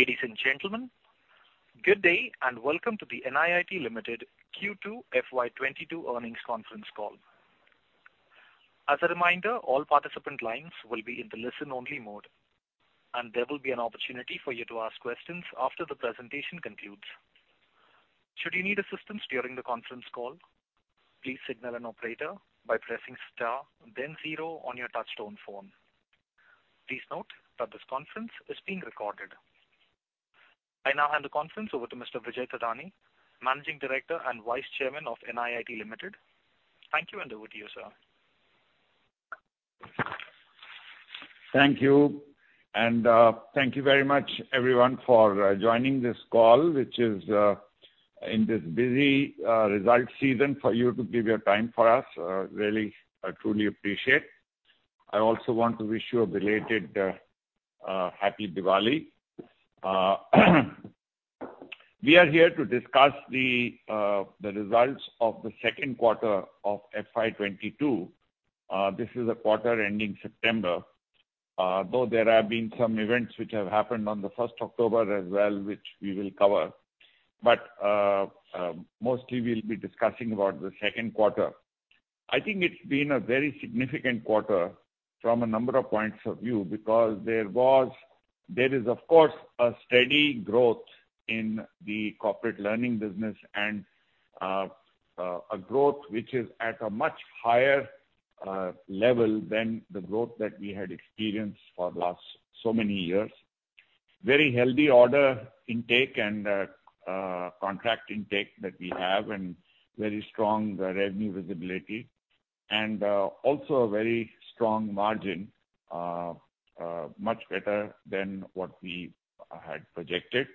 Ladies and gentlemen, good day and welcome to the NIIT Limited Q2 FY 2022 earnings conference call. As a reminder, all participant lines will be in the listen-only mode, and there will be an opportunity for you to ask questions after the presentation concludes. Should you need assistance during the conference call, please signal an operator by pressing star then zero on your touchtone phone. Please note that this conference is being recorded. I now hand the conference over to Mr. Vijay Thadani, Managing Director and Vice Chairman of NIIT Limited. Thank you, and over to you, sir. Thank you. Thank you very much everyone for joining this call which is in this busy result season for you to give your time for us. Really, I truly appreciate. I also want to wish you a belated Happy Diwali. We are here to discuss the results of the second quarter of FY 2022. This is a quarter ending September. Though there have been some events which have happened on the October 1st as well, which we will cover. Mostly we'll be discussing about the second quarter. I think it's been a very significant quarter from a number of points of view because there is of course a steady growth in the corporate learning business and a growth which is at a much higher level than the growth that we had experienced for the last so many years. Very healthy order intake and contract intake that we have and very strong revenue visibility. Also a very strong margin much better than what we had projected.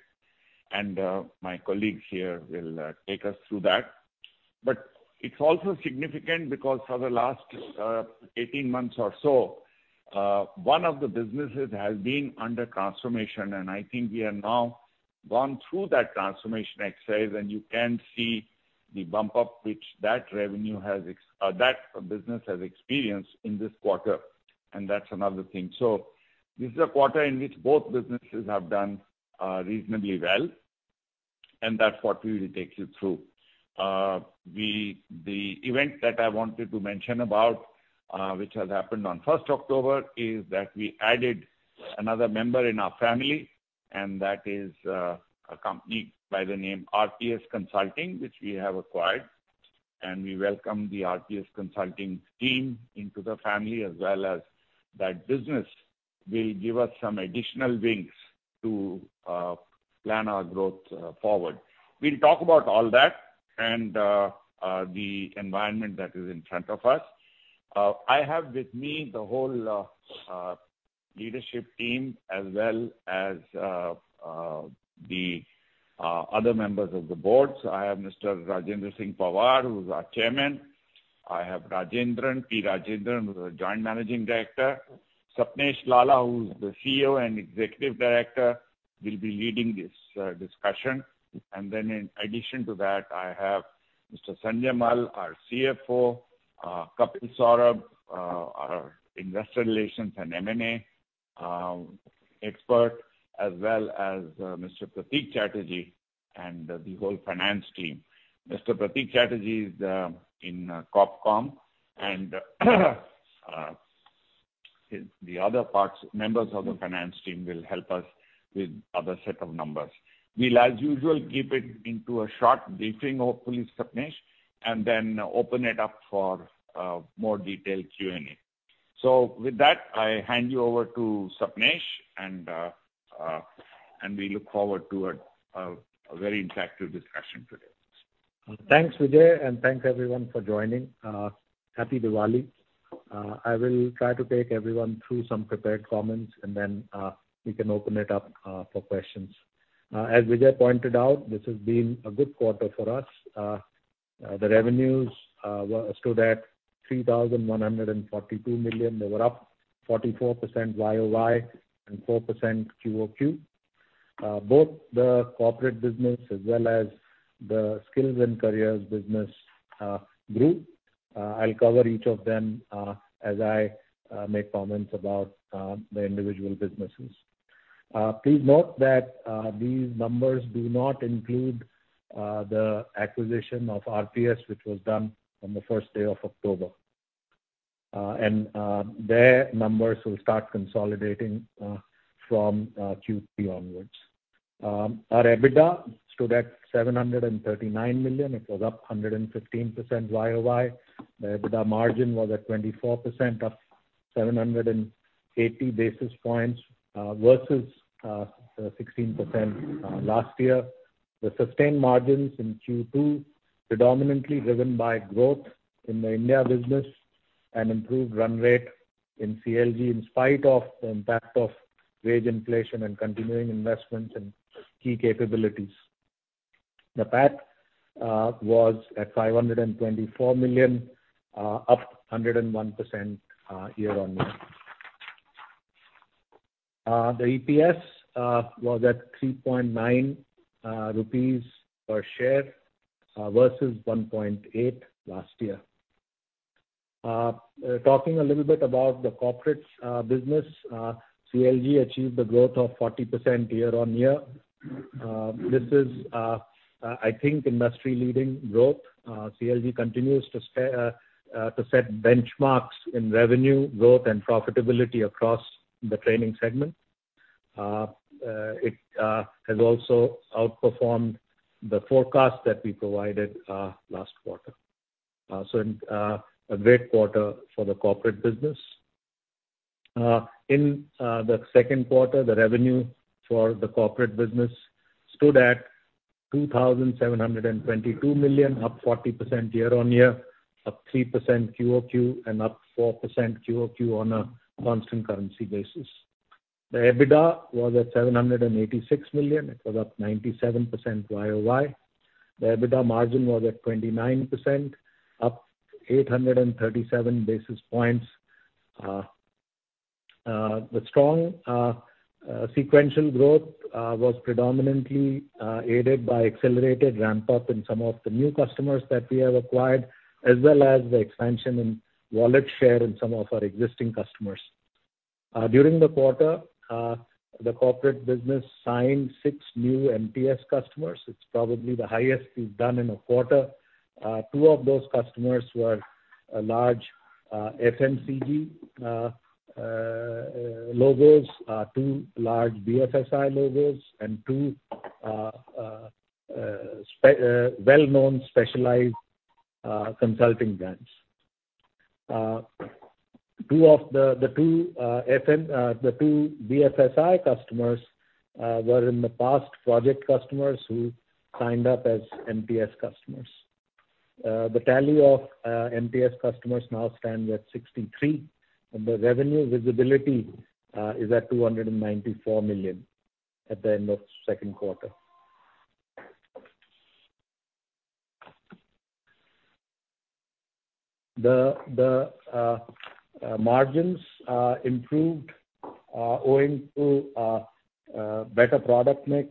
My colleagues here will take us through that. It's also significant because for the last 18 months or so one of the businesses has been under transformation. I think we have now gone through that transformation exercise, and you can see the bump up which that business has experienced in this quarter, and that's another thing. This is a quarter in which both businesses have done reasonably well, and that's what we will take you through. The event that I wanted to mention about, which has happened on October 1st, is that we added another member in our family, and that is, a company by the name RPS Consulting, which we have acquired. We welcome the RPS Consulting team into the family as well as that business will give us some additional wings to plan our growth forward. We'll talk about all that and the environment that is in front of us. I have with me the whole leadership team as well as the other members of the boards. I have Mr. Rajendra Singh Pawar, who is our Chairman. I have Rajendran, P. Rajendran, who is our Joint Managing Director. Sapnesh Lalla, who is the CEO and Executive Director, will be leading this discussion. In addition to that, I have Mr. Sanjay Mal, our CFO, Kapil Saurabh, our investor relations and M&A expert, as well as Mr. Prateek Chatterjee and the whole finance team. Mr. Prateek Chatterjee is in Corp Comm and the other members of the finance team will help us with other set of numbers. We'll, as usual, keep it to a short briefing, hopefully, Sapnesh, and then open it up for more detailed Q&A. With that, I hand you over to Sapnesh and we look forward to a very interactive discussion today. Thanks, Vijay, and thanks everyone for joining. Happy Diwali. I will try to take everyone through some prepared comments and then we can open it up for questions. As Vijay pointed out, this has been a good quarter for us. The revenues stood at 3,142 million. They were up 44% YoY and 4% QoQ. Both the corporate business as well as the Skills and Careers business grew. I'll cover each of them as I make comments about the individual businesses. Please note that these numbers do not include the acquisition of RPS Consulting which was done on the first day of October. Their numbers will start consolidating from Q3 onwards. Our EBITDA stood at 739 million. It was up 115% YoY. The EBITDA margin was at 24%, up 780 basis points versus 16% last year. The sustained margins in Q2 predominantly driven by growth in the India business and improved run rate in CLG in spite of the impact of wage inflation and continuing investments in key capabilities. The PAT was at 524 million, up 101% year-over-year. The EPS was at 3.9 rupees per share versus 1.8 last year. Talking a little bit about the corporates business, CLG achieved a growth of 40% year-over-year. This is, I think industry leading growth. CLG continues to set benchmarks in revenue growth and profitability across the training segment. It has also outperformed the forecast that we provided last quarter. A great quarter for the corporate business. In the second quarter, the revenue for the corporate business stood at 2,722 million, up 40% year-on-year, up 3% QoQ, and up 4% QoQ on a constant currency basis. The EBITDA was at 786 million. It was up 97% YoY. The EBITDA margin was at 29%, up 837 basis points. The strong sequential growth was predominantly aided by accelerated ramp up in some of the new customers that we have acquired as well as the expansion in wallet share in some of our existing customers. During the quarter, the corporate business signed six new MPS customers. It's probably the highest we've done in a quarter. Two of those customers were large FMCG logos, two large BFSI logos and two well-known specialized consulting brands. Two of the two BFSI customers were in the past project customers who signed up as MPS customers. The tally of MPS customers now stands at 63, and the revenue visibility is at 294 million at the end of second quarter. The margins improved owing to better product mix,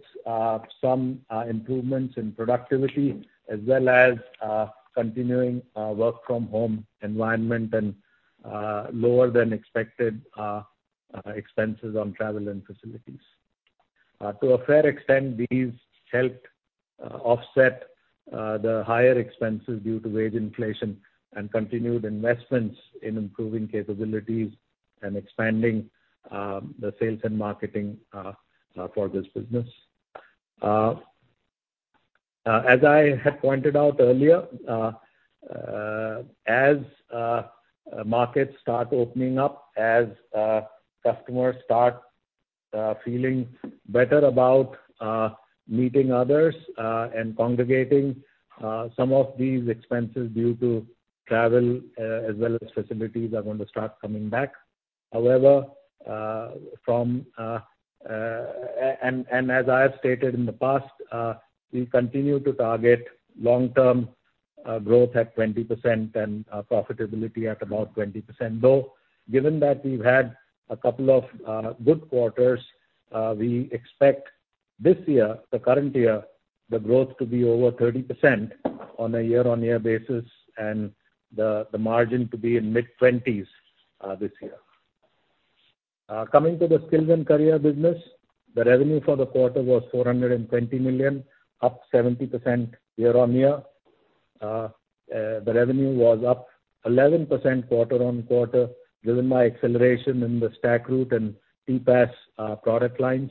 some improvements in productivity, as well as continuing work from home environment and lower than expected expenses on travel and facilities. To a fair extent, these helped offset the higher expenses due to wage inflation and continued investments in improving capabilities and expanding the sales and marketing for this business. As I had pointed out earlier, as markets start opening up, as customers start feeling better about meeting others and congregating, some of these expenses due to travel as well as facilities are going to start coming back. However, as I have stated in the past, we continue to target long-term growth at 20% and profitability at about 20%, though given that we've had a couple of good quarters, we expect this year, the current year, the growth to be over 30% on a year-on-year basis and the margin to be in mid-twenties this year. Coming to the Skills and Careers business, the revenue for the quarter was 420 million, up 70% year-on-year. The revenue was up 11% quarter-on-quarter, driven by acceleration in the StackRoute and TPaaS product lines.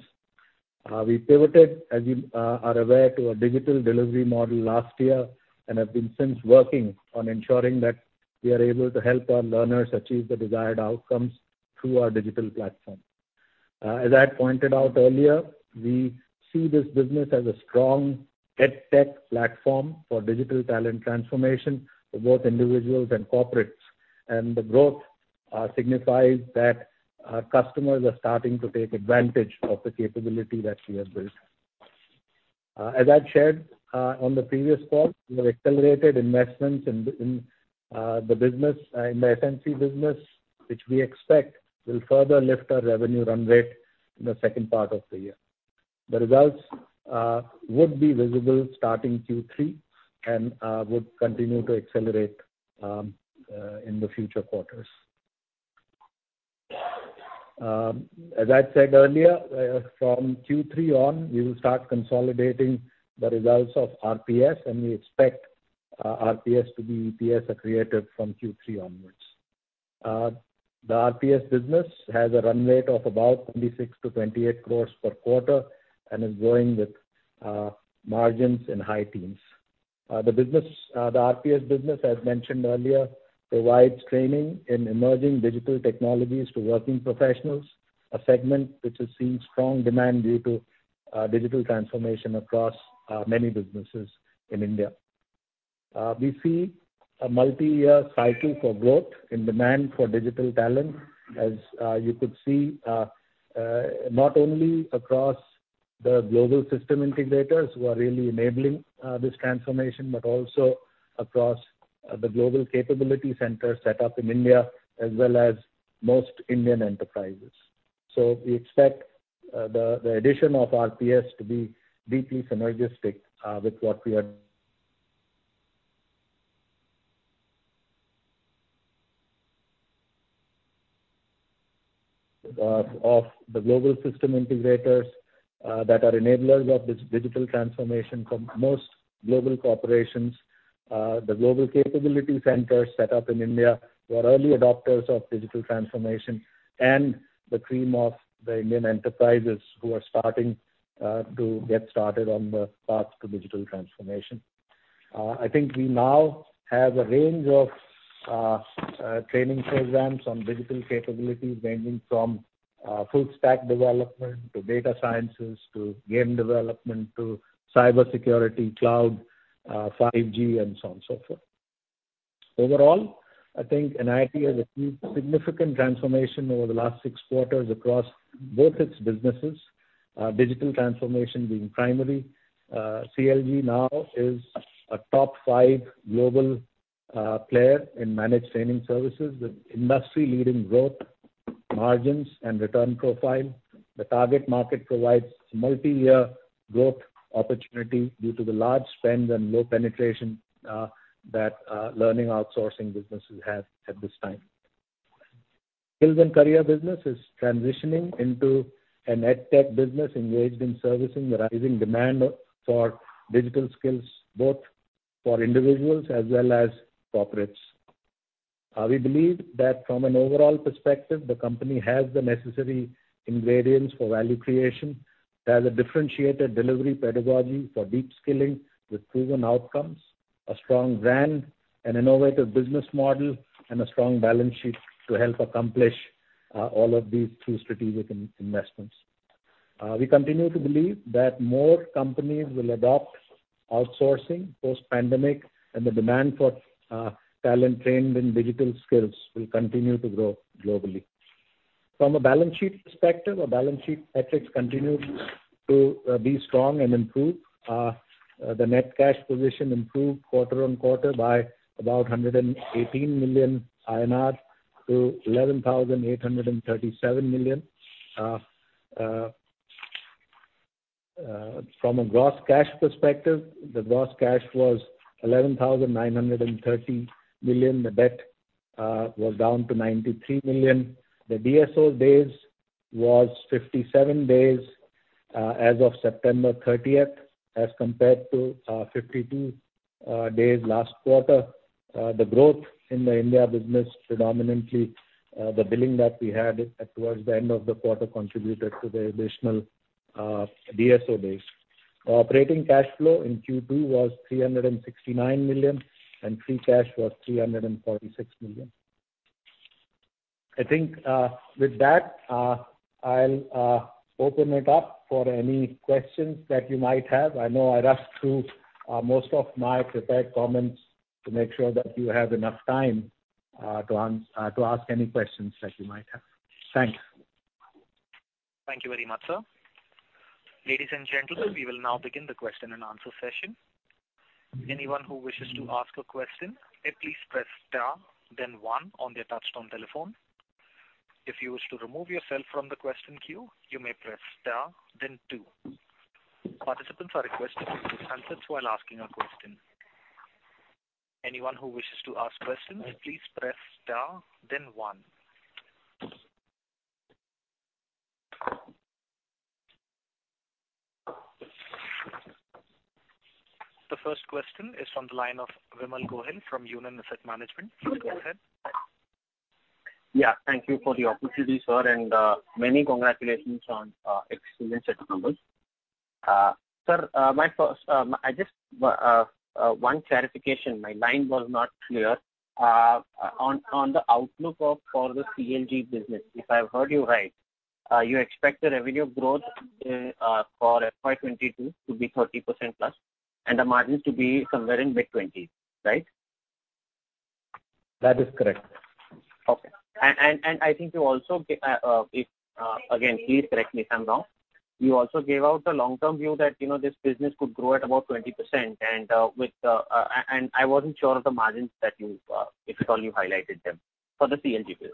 We pivoted, as you are aware, to a digital delivery model last year and have been since working on ensuring that we are able to help our learners achieve the desired outcomes through our digital platform. As I had pointed out earlier, we see this business as a strong EdTech platform for digital talent transformation for both individuals and corporates. The growth signifies that our customers are starting to take advantage of the capability that we have built. As I've shared on the previous call, we have accelerated investments in the business in the FMCG business, which we expect will further lift our revenue run rate in the second part of the year. The results would be visible starting Q3 and would continue to accelerate in the future quarters. As I said earlier, from Q3 on, we will start consolidating the results of RPS, and we expect RPS to be EPS accretive from Q3 onwards. The RPS business has a run rate of about 26 crore-28 crore per quarter and is growing with margins in high teens. The RPS business, as mentioned earlier, provides training in emerging digital technologies to working professionals, a segment which is seeing strong demand due to digital transformation across many businesses in India. We see a multiyear cycle for growth in demand for digital talent, as you could see, not only across the global system integrators who are really enabling this transformation, but also across the global capability centers set up in India as well as most Indian enterprises. We expect the addition of RPS to be deeply synergistic of the global system integrators that are enablers of this digital transformation from most global corporations, the global capability centers set up in India who are early adopters of digital transformation and the cream of the Indian enterprises who are starting to get started on the path to digital transformation. I think we now have a range of training programs on digital capabilities ranging from full stack development to data sciences to game development to cybersecurity, cloud, 5G and so on and so forth. Overall, I think NIIT has achieved significant transformation over the last six quarters across both its businesses, digital transformation being primary. CLG now is a top five global player in managed training services with industry-leading growth margins and return profile. The target market provides multi-year growth opportunity due to the large spend and low penetration that learning outsourcing businesses have at this time. Skills and Careers business is transitioning into an EdTech business engaged in servicing the rising demand for digital skills, both for individuals as well as corporates. We believe that from an overall perspective, the company has the necessary ingredients for value creation. It has a differentiated delivery pedagogy for deep skilling with proven outcomes, a strong brand and innovative business model and a strong balance sheet to help accomplish all of these through strategic investments. We continue to believe that more companies will adopt outsourcing post-pandemic, and the demand for talent trained in digital skills will continue to grow globally. From a balance sheet perspective, our balance sheet metrics continued to be strong and improve. The net cash position improved quarter-on-quarter by about 118 million INR to 11,837 million. From a gross cash perspective, the gross cash was 11,930 million. The debt was down to 93 million. The DSO days was 57 days as of September 30th, as compared to 52 days last quarter. The growth in the India business, predominantly the billing that we had towards the end of the quarter, contributed to the additional DSO days. Operating cash flow in Q2 was 369 million, and free cash was 346 million. I think with that, I'll open it up for any questions that you might have. I know I rushed through most of my prepared comments to make sure that you have enough time to ask any questions that you might have. Thanks. Thank you very much, sir. Ladies and gentlemen, we will now begin the question and answer session. Anyone who wishes to ask a question, please press star then one on their touchtone telephone. If you wish to remove yourself from the question queue, you may press star then two. Participants are requested to unmute themselves while asking a question. Anyone who wishes to ask questions, please press star then one. The first question is from the line of Vimal Gohil from Union Asset Management. Please go ahead. Yeah, thank you for the opportunity, sir, and many congratulations on excellent set of numbers. Sir, one clarification. My line was not clear. On the outlook for the CLG business. If I've heard you right, you expect the revenue growth for FY 2022 to be 30%+ and the margins to be somewhere in mid-twenties, right? That is correct. Okay, I think you also gave out the long-term view that, you know, this business could grow at about 20%. Again, please correct me if I'm wrong. I wasn't sure of the margins that you, if at all, you highlighted them for the CLG business.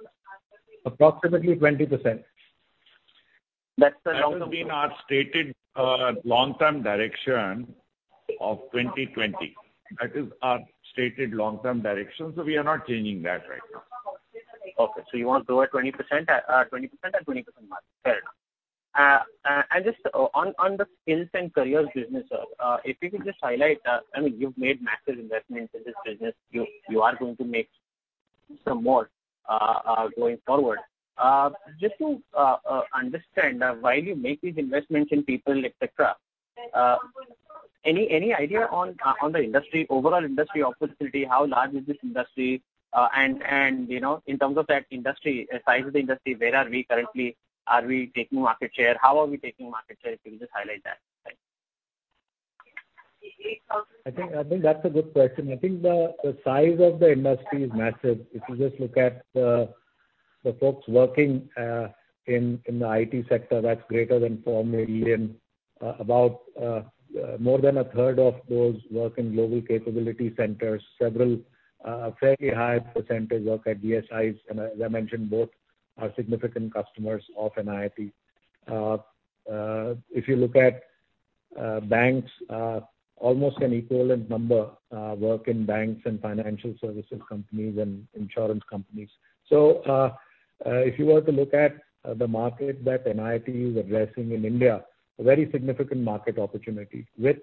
Approximately 20%. That's the long-term. That has been our stated long-term direction of 2020. That is our stated long-term direction, so we are not changing that right now. Okay. You want to grow at 20%, 20% and 20% margin. Fair enough. Just on the Skills and Careers business, if you could just highlight, I mean, you've made massive investments in this business. You are going to make some more, going forward. Just to understand, while you make these investments in people, et cetera, any idea on the industry, overall industry opportunity? How large is this industry? You know, in terms of that industry, size of the industry, where are we currently? Are we taking market share? How are we taking market share? If you could just highlight that. Thanks. I think that's a good question. I think the size of the industry is massive. If you just look at the folks working in the IT sector, that's greater than 4 million. About more than a third of those work in global capability centers. Several fairly high percentage work at GSIs, and as I mentioned, both are significant customers of NIIT. If you look at banks, almost an equivalent number work in banks and financial services companies and insurance companies. If you were to look at the market that NIIT is addressing in India, a very significant market opportunity. With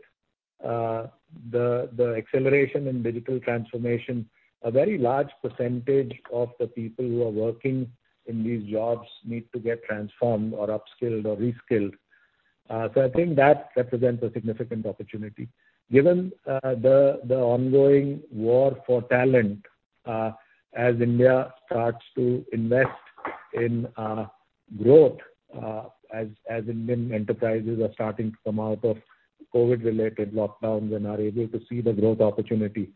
the acceleration in digital transformation, a very large percentage of the people who are working in these jobs need to get transformed or upskilled or reskilled. I think that represents a significant opportunity. Given the ongoing war for talent, as India starts to invest in growth, as Indian enterprises are starting to come out of COVID-related lockdowns and are able to see the growth opportunity,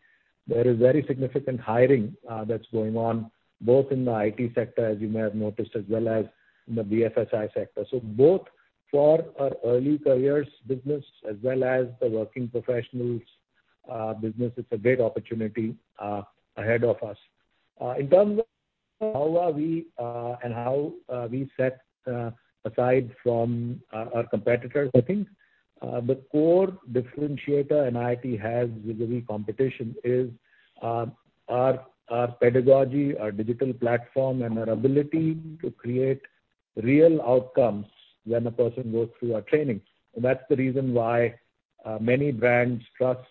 there is very significant hiring that's going on, both in the IT sector, as you may have noticed, as well as in the BFSI sector. Both for our early careers business as well as the working professionals business, it's a great opportunity ahead of us. In terms of how we set apart from our competitors, I think the core differentiator NIIT has with the competition is our pedagogy, our digital platform, and our ability to create real outcomes when a person goes through our training. That's the reason why many brands trust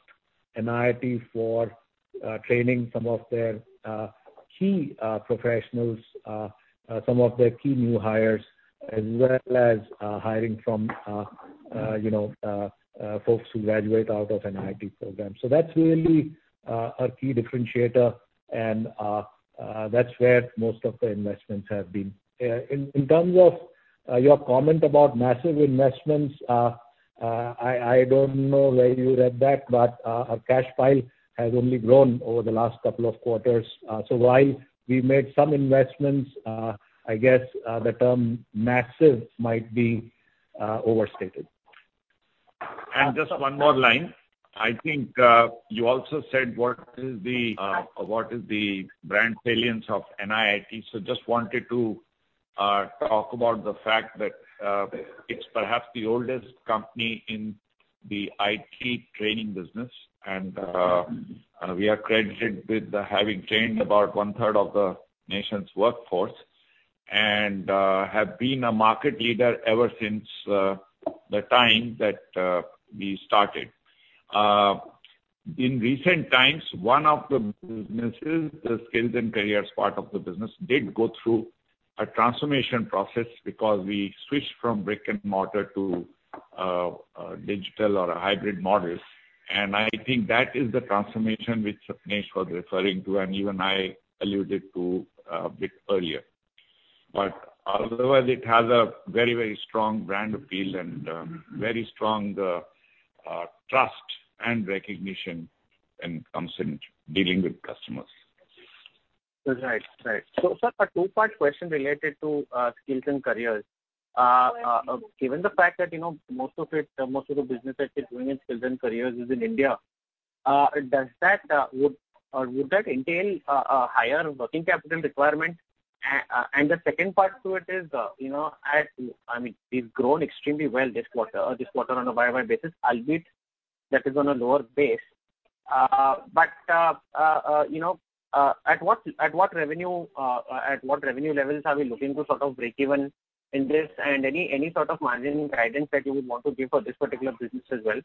NIIT for training some of their key professionals, some of their key new hires, as well as hiring from you know folks who graduate out of an NIIT program. That's really a key differentiator and that's where most of the investments have been. In terms of your comment about massive investments, I don't know where you read that, but our cash pile has only grown over the last couple of quarters. While we made some investments, I guess the term massive might be overstated. Just one more line. I think you also said what is the brand salience of NIIT. So just wanted to talk about the fact that it's perhaps the oldest company in the IT training business, and we are credited with having trained about 1/3 of the nation's workforce and have been a market leader ever since the time that we started. In recent times, one of the businesses, the Skills and Careers part of the business, did go through a transformation process because we switched from brick and mortar to digital or hybrid models. I think that is the transformation which Sapnesh was referring to and even I alluded to a bit earlier. Otherwise it has a very, very strong brand appeal and very strong trust and recognition when it comes to dealing with customers. Right, sir, a two-part question related to Skills and Careers. Given the fact that, you know, most of the business that you're doing in Skills and Careers is in India, does that or would that entail a higher working capital requirement? And the second part to it is, you know, I mean, it's grown extremely well this quarter on a YoY basis, albeit that is on a lower base. But you know, at what revenue levels are we looking to sort of break even in this? And any sort of margin guidance that you would want to give for this particular business as well?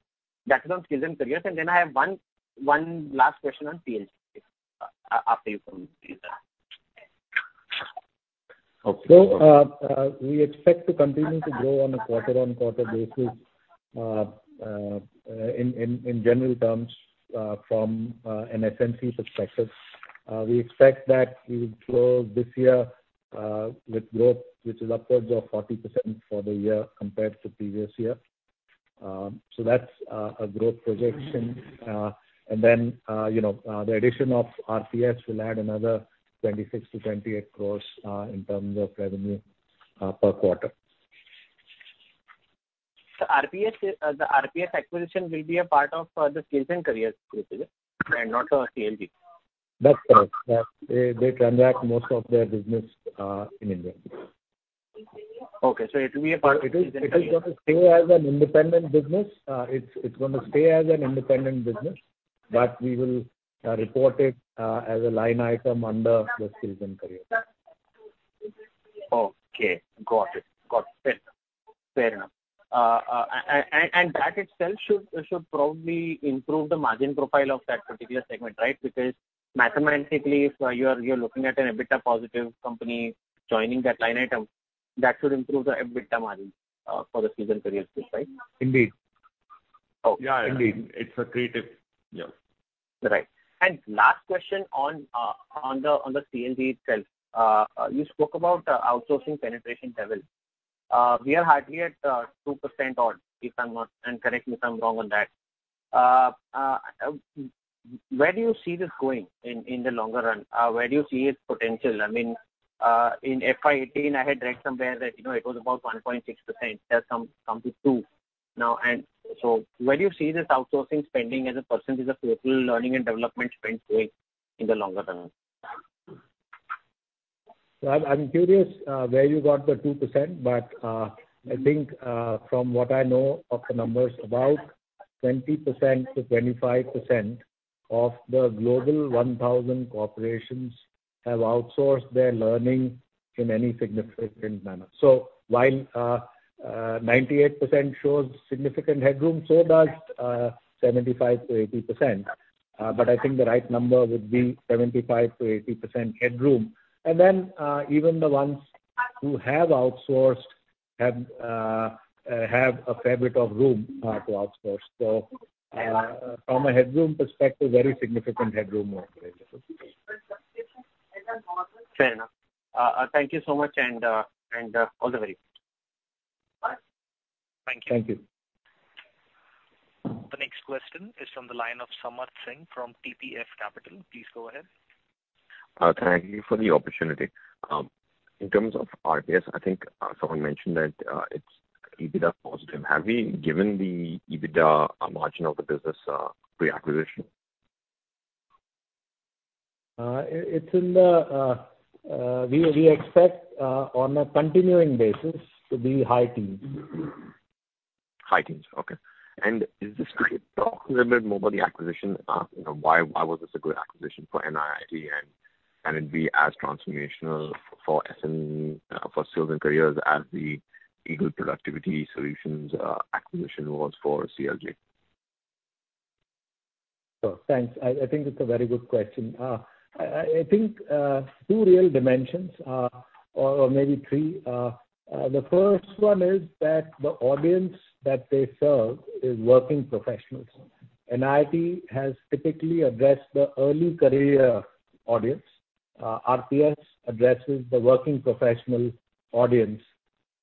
That is on Skills and Careers. And then I have one last question on CLG after you finish. We expect to continue to grow on a quarter-on-quarter basis, in general terms, from an SNC perspective. We expect that we would close this year with growth which is upwards of 40% for the year compared to previous year. That's a growth projection. You know, the addition of RPS will add another 26 crore-28 crore in terms of revenue per quarter. RPS, the RPS acquisition will be a part of the Skills & Careers Group, is it? Not the CLG. That's right. They transact most of their business in India. Okay. It will be a part of Skills and Careers. It is gonna stay as an independent business. It's gonna stay as an independent business, but we will report it as a line item under the Skills and Careers. Okay. Got it. Fair enough. That itself should probably improve the margin profile of that particular segment, right? Because mathematically, if you're looking at an EBITDA positive company joining that line item, that should improve the EBITDA margin for the Skills and Careers Group, right? Indeed. Oh. Yeah, indeed. It's accretive. Yeah. Right. Last question on the CLG itself. You spoke about outsourcing penetration levels. We are hardly at 2% odd. Correct me if I'm wrong on that. Where do you see this going in the longer run? Where do you see its potential? I mean, in FY 2018 I had read somewhere that, you know, it was about 1.6%, that's come to 2% now. Where do you see this outsourcing spending as a percentage of total learning and development spend going in the longer run? Well, I'm curious where you got the 2%, but I think from what I know of the numbers, about 20%-25% of the global 1,000 corporations have outsourced their learning in any significant manner. While 98% shows significant headroom, so does 75%-80%. I think the right number would be 75%-80% headroom. Even the ones who have outsourced have a fair bit of room to outsource. From a headroom perspective, very significant headroom over it. Fair enough. Thank you so much and all the very best. Thank you. The next question is from the line of Samarth Singh from TPF Capital. Please go ahead. Thank you for the opportunity. In terms of RPS, I think, Sapnesh mentioned that, it's EBITDA positive. Have we given the EBITDA margin of the business, pre-acquisition? We expect on a continuing basis to be high teens. High teens. Okay. Could you talk a little bit more about the acquisition? You know, why was this a good acquisition for NIIT? Can it be as transformational for SME for Skills and Careers as the Eagle Productivity Solutions acquisition was for CLG? Sure. Thanks. I think it's a very good question. I think two real dimensions or maybe three. The first one is that the audience that they serve is working professionals. NIIT has typically addressed the early career audience. RPS addresses the working professional audience.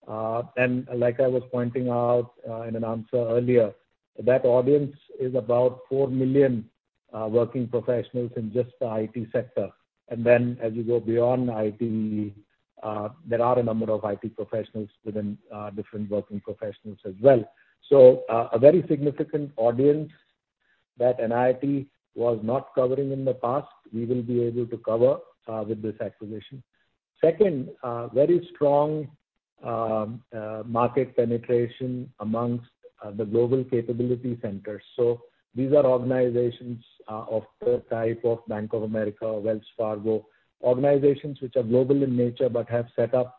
Like I was pointing out in an answer earlier, that audience is about 4 million working professionals in just the IT sector. As you go beyond IT, there are a number of IT professionals within different working professionals as well. A very significant audience that NIIT was not covering in the past, we will be able to cover with this acquisition. Second, very strong market penetration among the global capability centers. These are organizations of the type of Bank of America, Wells Fargo, organizations which are global in nature, but have set up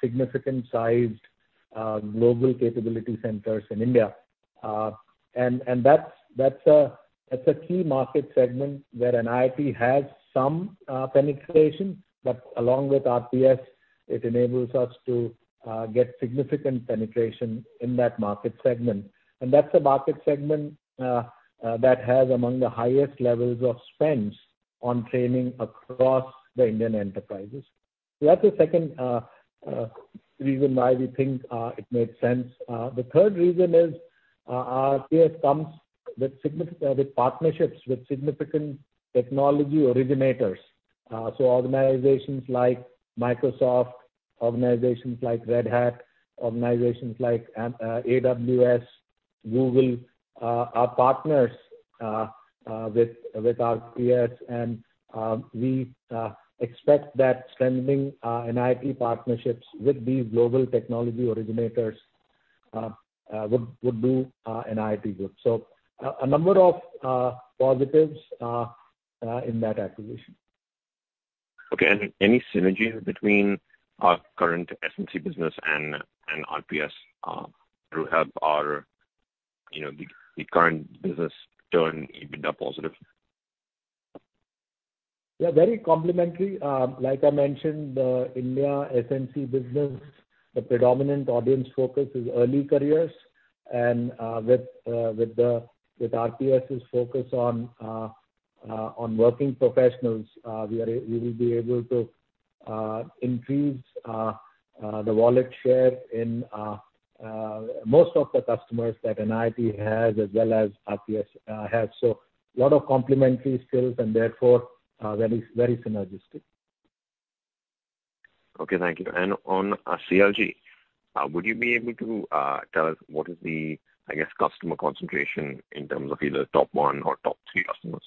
significant sized global capability centers in India. That's a key market segment where NIIT has some penetration, but along with RPS, it enables us to get significant penetration in that market segment. That's a market segment that has among the highest levels of spends on training across the Indian enterprises. That's the second reason why we think it made sense. The third reason is RPS comes with partnerships with significant technology originators. Organizations like Microsoft, organizations like Red Hat, organizations like AWS, Google are partners with RPS, and we expect that strengthening NIIT partnerships with these global technology originators would do NIIT good. A number of positives in that acquisition. Okay. Any synergies between our current SNC business and RPS to help our, you know, the current business turn EBITDA positive? Yeah, very complementary. Like I mentioned, the India SNC business, the predominant audience focus is early careers and with RPS' focus on working professionals, we will be able to increase the wallet share in most of the customers that NIIT has as well as RPS has. A lot of complementary skills and therefore very synergistic. Okay, thank you. On CLG, would you be able to tell us what the customer concentration is, I guess, in terms of either top one or top three customers?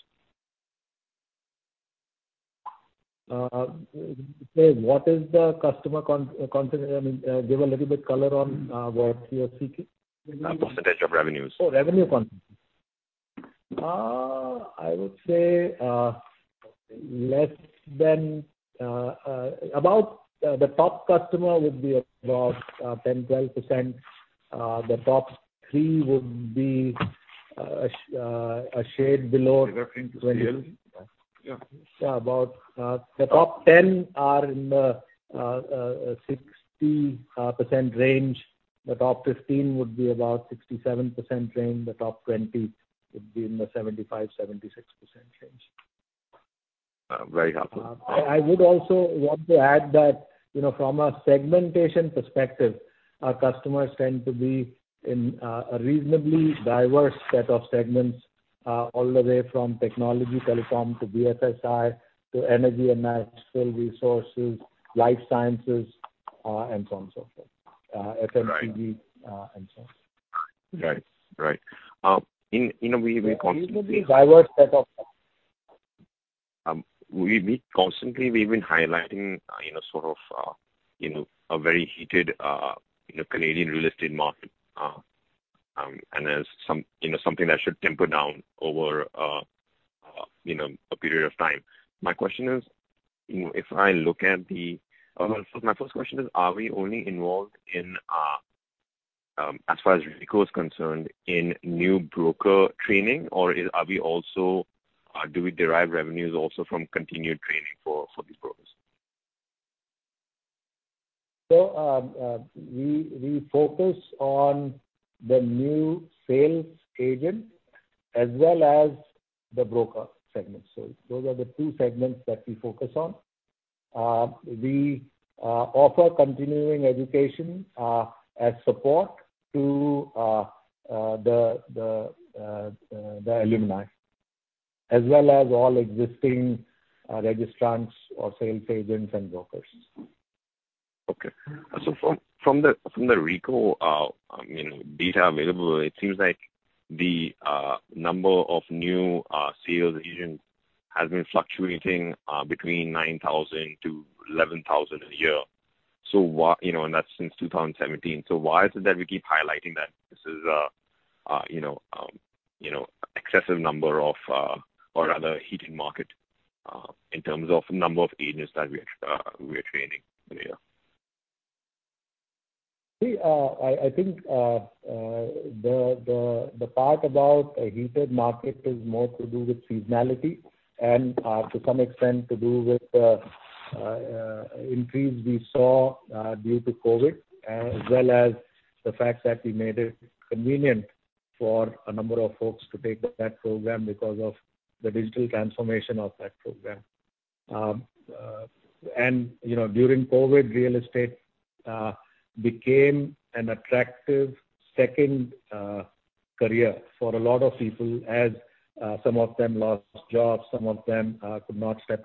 What is the customer concentration? I mean, give a little bit color on what you're seeking. Percentage of revenues. Revenue concentration. I would say less than about the top customer would be about 10%-12%. The top three would be a shade below 20%. You're referring to CLG? Yeah. Yeah, about the top 10 are in the 60% range. The top 15 would be about 67% range. The top 20 would be in the 75-76% range. Very helpful. I would also want to add that, you know, from a segmentation perspective, our customers tend to be in a reasonably diverse set of segments, all the way from technology telecom to BFSI to energy and natural resources, life sciences, and so on so forth. FMCG- Right. And so on. Right. In a way, we constantly A reasonably diverse set of. We constantly have been highlighting, you know, sort of, a very heated Canadian real estate market, and something that should temper down over a period of time. My first question is, are we only involved in, as far as RECO is concerned, in new broker training, or do we also derive revenues from continued training for these brokers? We focus on the new sales agent as well as the broker segment. Those are the two segments that we focus on. We offer continuing education as support to the alumni, as well as all existing registrants or sales agents and brokers. Okay. From the RECO data available, it seems like the number of new sales agents has been fluctuating between 9,000-11,000 a year. Why, you know, and that's since 2017. Why is it that we keep highlighting that this is, you know, excessive number of, or rather heating market, in terms of number of agents that we're training per year? I think the part about a heated market is more to do with seasonality and to some extent to do with increase we saw due to COVID as well as the fact that we made it convenient for a number of folks to take that program because of the digital transformation of that program. You know, during COVID, real estate became an attractive second career for a lot of people as some of them lost jobs, some of them could not step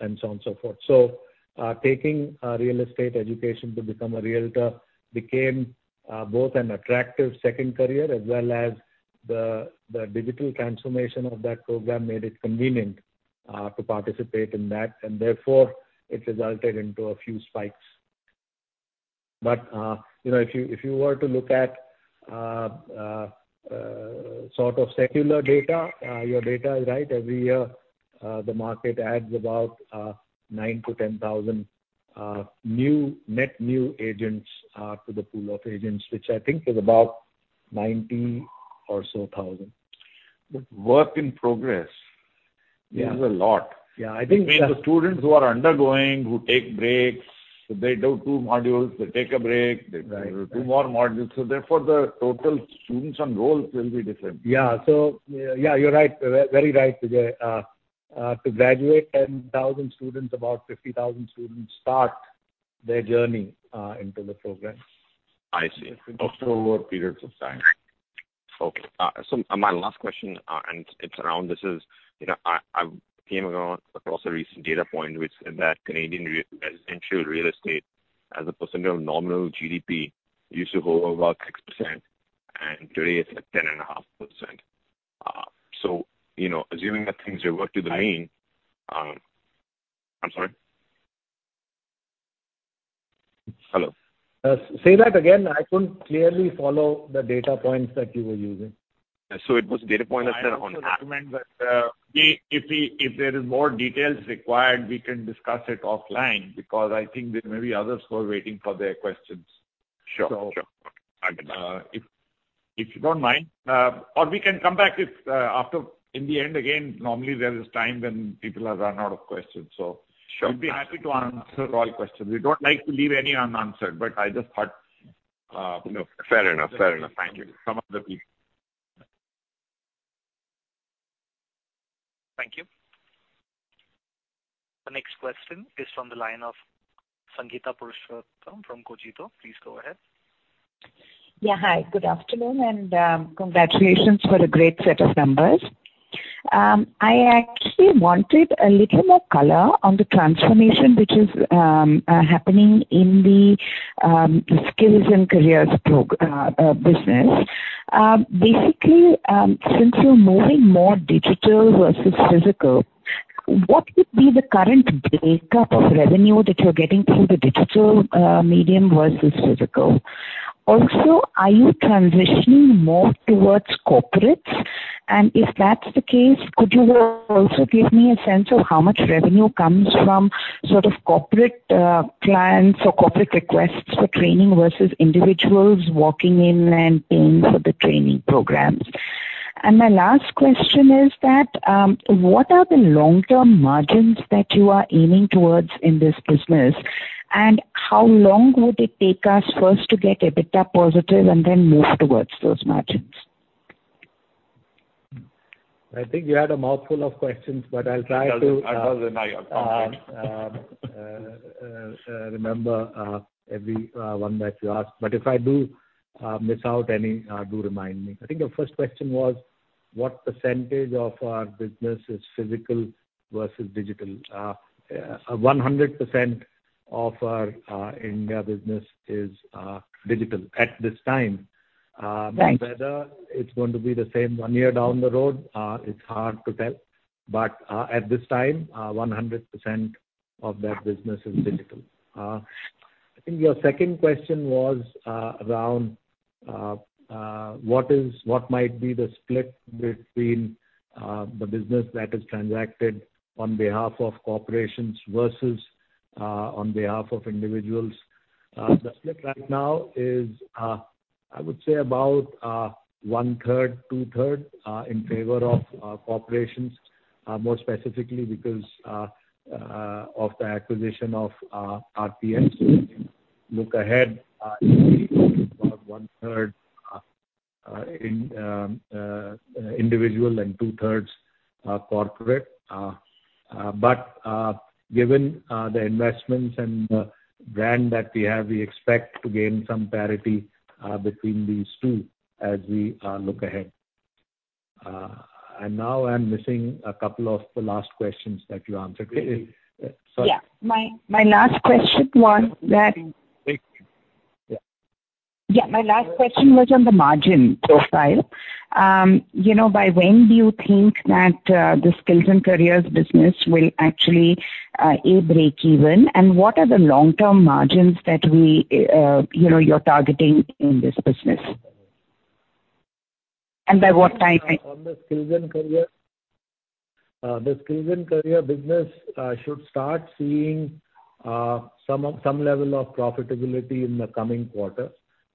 and so on and so forth. Taking a real estate education to become a realtor became both an attractive second career as well as the digital transformation of that program made it convenient to participate in that. Therefore, it resulted into a few spikes. You know, if you were to look at sort of secular data, your data is right. Every year, the market adds about 9,000-10,000 net new agents to the pool of agents, which I think is about 90,000 or so. Work in progress. Yeah. It is a lot. Yeah. I think, Between the students who are undergoing, who take breaks. They do two modules, they take a break. Right. They do two more modules. The total students enrolled will be different. Yeah. Yeah, you're right. Very right, Vijay. To graduate 10,000 students, about 50,000 students start their journey into the program. I see. Over periods of time. Okay. My last question, and it's around this is, you know, I came across a recent data point which said that Canadian residential real estate as a percentage of nominal GDP used to go about X%, and today it's at 10.5%. You know, assuming that things revert to the mean. I'm sorry? Hello? Say that again. I couldn't clearly follow the data points that you were using. It was data points that said on. I also recommend that if there is more details required, we can discuss it offline because I think there may be others who are waiting for their questions. Sure, sure. If you don't mind, or we can come back after, in the end again. Normally there is time when people have run out of questions. Sure. We'd be happy to answer all questions. We don't like to leave any unanswered, but I just thought, you know. Fair enough. Fair enough. Thank you. Some of the people. Thank you. The next question is from the line of Sangeeta Purushottam from Cogito. Please go ahead. Yeah. Hi, good afternoon, and congratulations for the great set of numbers. I actually wanted a little more color on the transformation which is happening in the Skills and Careers business. Basically, since you're moving more digital versus physical, what would be the current breakup of revenue that you're getting through the digital medium versus physical? Also, are you transitioning more towards corporates? And if that's the case, could you also give me a sense of how much revenue comes from sort of corporate clients or corporate requests for training versus individuals walking in and paying for the training programs? And my last question is that what are the long-term margins that you are aiming towards in this business, and how long would it take us first to get EBITDA positive and then move towards those margins? I think you had a mouthful of questions, but I'll try to remember every one that you asked, but if I do miss out any, do remind me. I think your first question was what percentage of our business is physical versus digital. 100% of our India business is digital at this time. Right. Whether it's going to be the same one year down the road, it's hard to tell. At this time, 100% of that business is digital. I think your second question was around what might be the split between the business that is transacted on behalf of corporations versus on behalf of individuals. The split right now is, I would say about 1/3, 2/3 in favor of corporations, more specifically because of the acquisition of RPS. Looking ahead, about 1/3 individual and 2/3 corporate. Given the investments and the brand that we have, we expect to gain some parity between these two as we look ahead. Now I'm missing a couple of the last questions that you asked. Sorry. Yeah. My last question was that. Yeah. Yeah, my last question was on the margin profile. You know, by when do you think that the Skills and Careers business will actually hit breakeven, and what are the long-term margins that we you know, you're targeting in this business? By what time frame? On the Skills and Careers business, should start seeing some level of profitability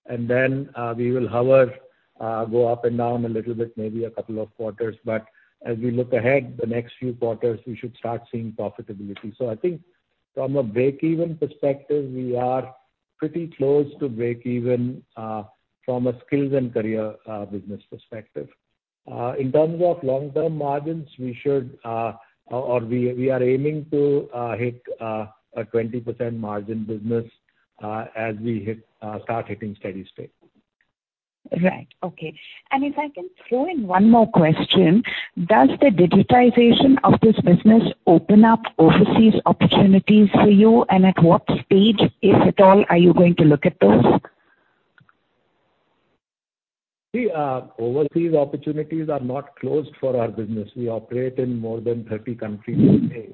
in the coming quarters. Then, we will hover, go up and down a little bit, maybe a couple of quarters, but as we look ahead the next few quarters, we should start seeing profitability. I think from a breakeven perspective, we are pretty close to breakeven from a Skills and Careers business perspective. In terms of long-term margins, we are aiming to hit a 20% margin business as we start hitting steady-state. Right. Okay. If I can throw in one more question. Does the digitization of this business open up overseas opportunities for you? And at what stage, if at all, are you going to look at those? See, overseas opportunities are not closed for our business. We operate in more than 30 countries today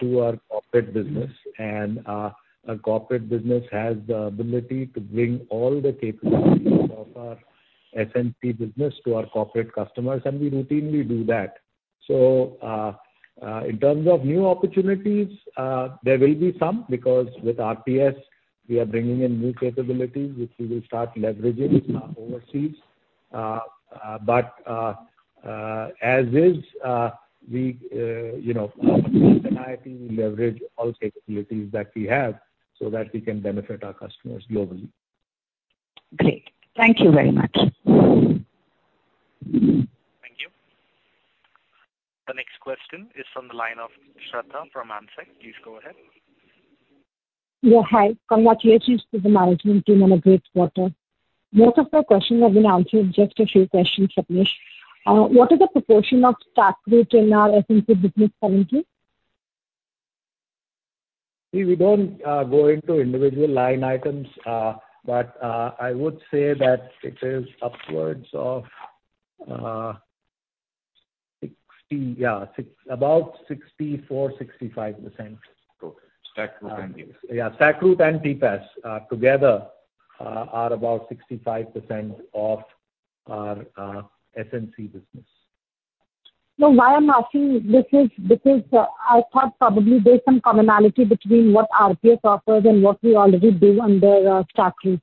through our corporate business. Our corporate business has the ability to bring all the capabilities of our SNC business to our corporate customers, and we routinely do that. In terms of new opportunities, there will be some because with RPS we are bringing in new capabilities which we will start leveraging overseas. But as it is, we, you know, at NIIT we leverage all capabilities that we have so that we can benefit our customers globally. Great. Thank you very much. Thank you. The next question is from the line of Shraddha from Ambit. Please go ahead. Yeah, hi. Congratulations to the management team on a great quarter. Most of my questions have been answered. Just a few questions, Sapnesh. What is the proportion of StackRoute in our SNC business currently? We don't go into individual line items, but I would say that it is upwards of about 64%-65%. StackRoute and TPaaS. Yeah. StackRoute and TPaaS together are about 65% of our SNC business. No, why I'm asking this is because I thought probably there's some commonality between what RPS offers and what we already do under StackRoute.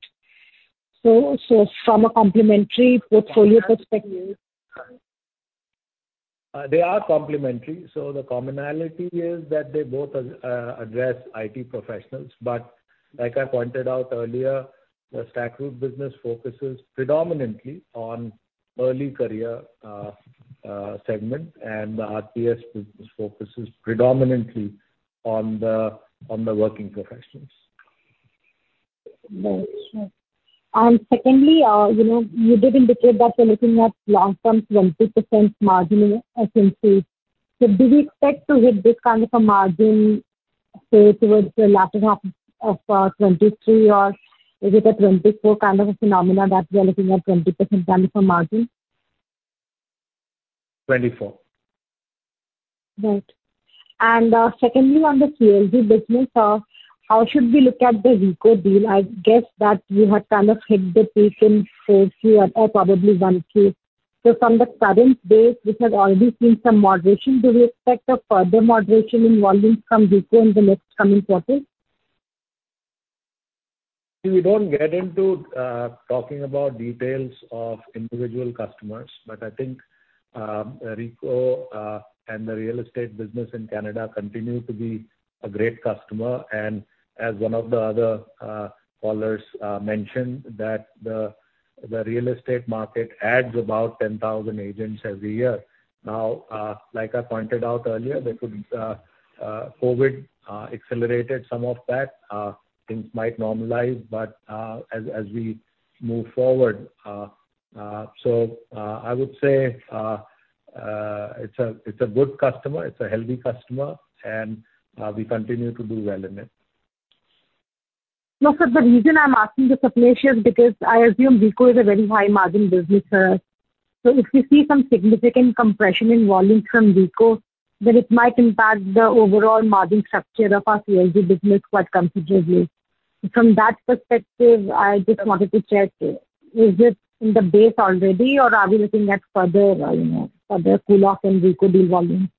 From a complementary portfolio perspective. They are complementary. The commonality is that they both address IT professionals. Like I pointed out earlier, the StackRoute business focuses predominantly on early career segment, and the RPS business focuses predominantly on the working professionals. Got you. Secondly, you know, you did indicate that you're looking at long-term 20% margin in SNC. Do we expect to hit this kind of a margin, say, towards the latter half of 2023 or is it a 2024 kind of a phenomenon that we are looking at 20% kind of a margin? 2024. Right. Secondly on the CLG business, how should we look at the RECO deal? I guess that you had kind of hit the peak in phase three or probably 1Q. From the current base, which has already seen some moderation, do we expect a further moderation in volumes from RECO in the next coming quarters? We don't get into talking about details of individual customers, but I think RECO and the real estate business in Canada continue to be a great customer. As one of the other callers mentioned that the real estate market adds about 10,000 agents every year. Like I pointed out earlier, COVID accelerated some of that, things might normalize, but as we move forward. I would say it's a good customer, it's a healthy customer, and we continue to do well in it. No, sir. The reason I'm asking the supplements is because I assume RECO is a very high margin business. If you see some significant compression in volume from RECO, then it might impact the overall margin structure of our CLG business quite considerably. From that perspective, I just wanted to check, is it in the base already or are we looking at further, you know, further cool off in RECO deal volume?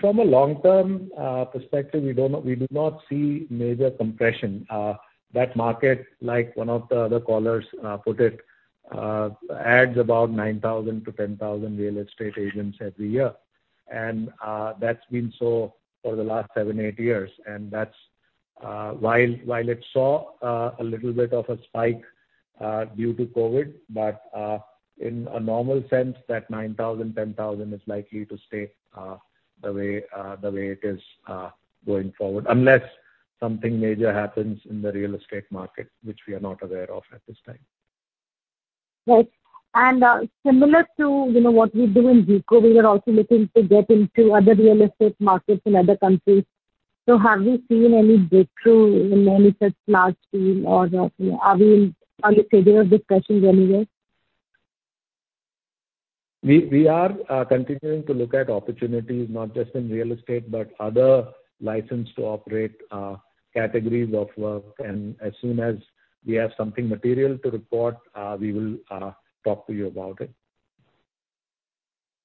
From a long-term perspective, we do not see major compression. That market, like one of the other callers put it, adds about 9,000-10,000 real estate agents every year. That's been so for the last 7-8 years. That's while it saw a little bit of a spike due to COVID, but in a normal sense, that 9,000-10,000 is likely to stay the way it is going forward. Unless something major happens in the real estate market, which we are not aware of at this time. Right. Similar to, you know, what we do in RECO, we are also looking to get into other real estate markets in other countries. So have you seen any breakthrough in any such large deal or are you in scheduled discussions anywhere? We are continuing to look at opportunities not just in real estate, but other license to operate categories of work. As soon as we have something material to report, we will talk to you about it.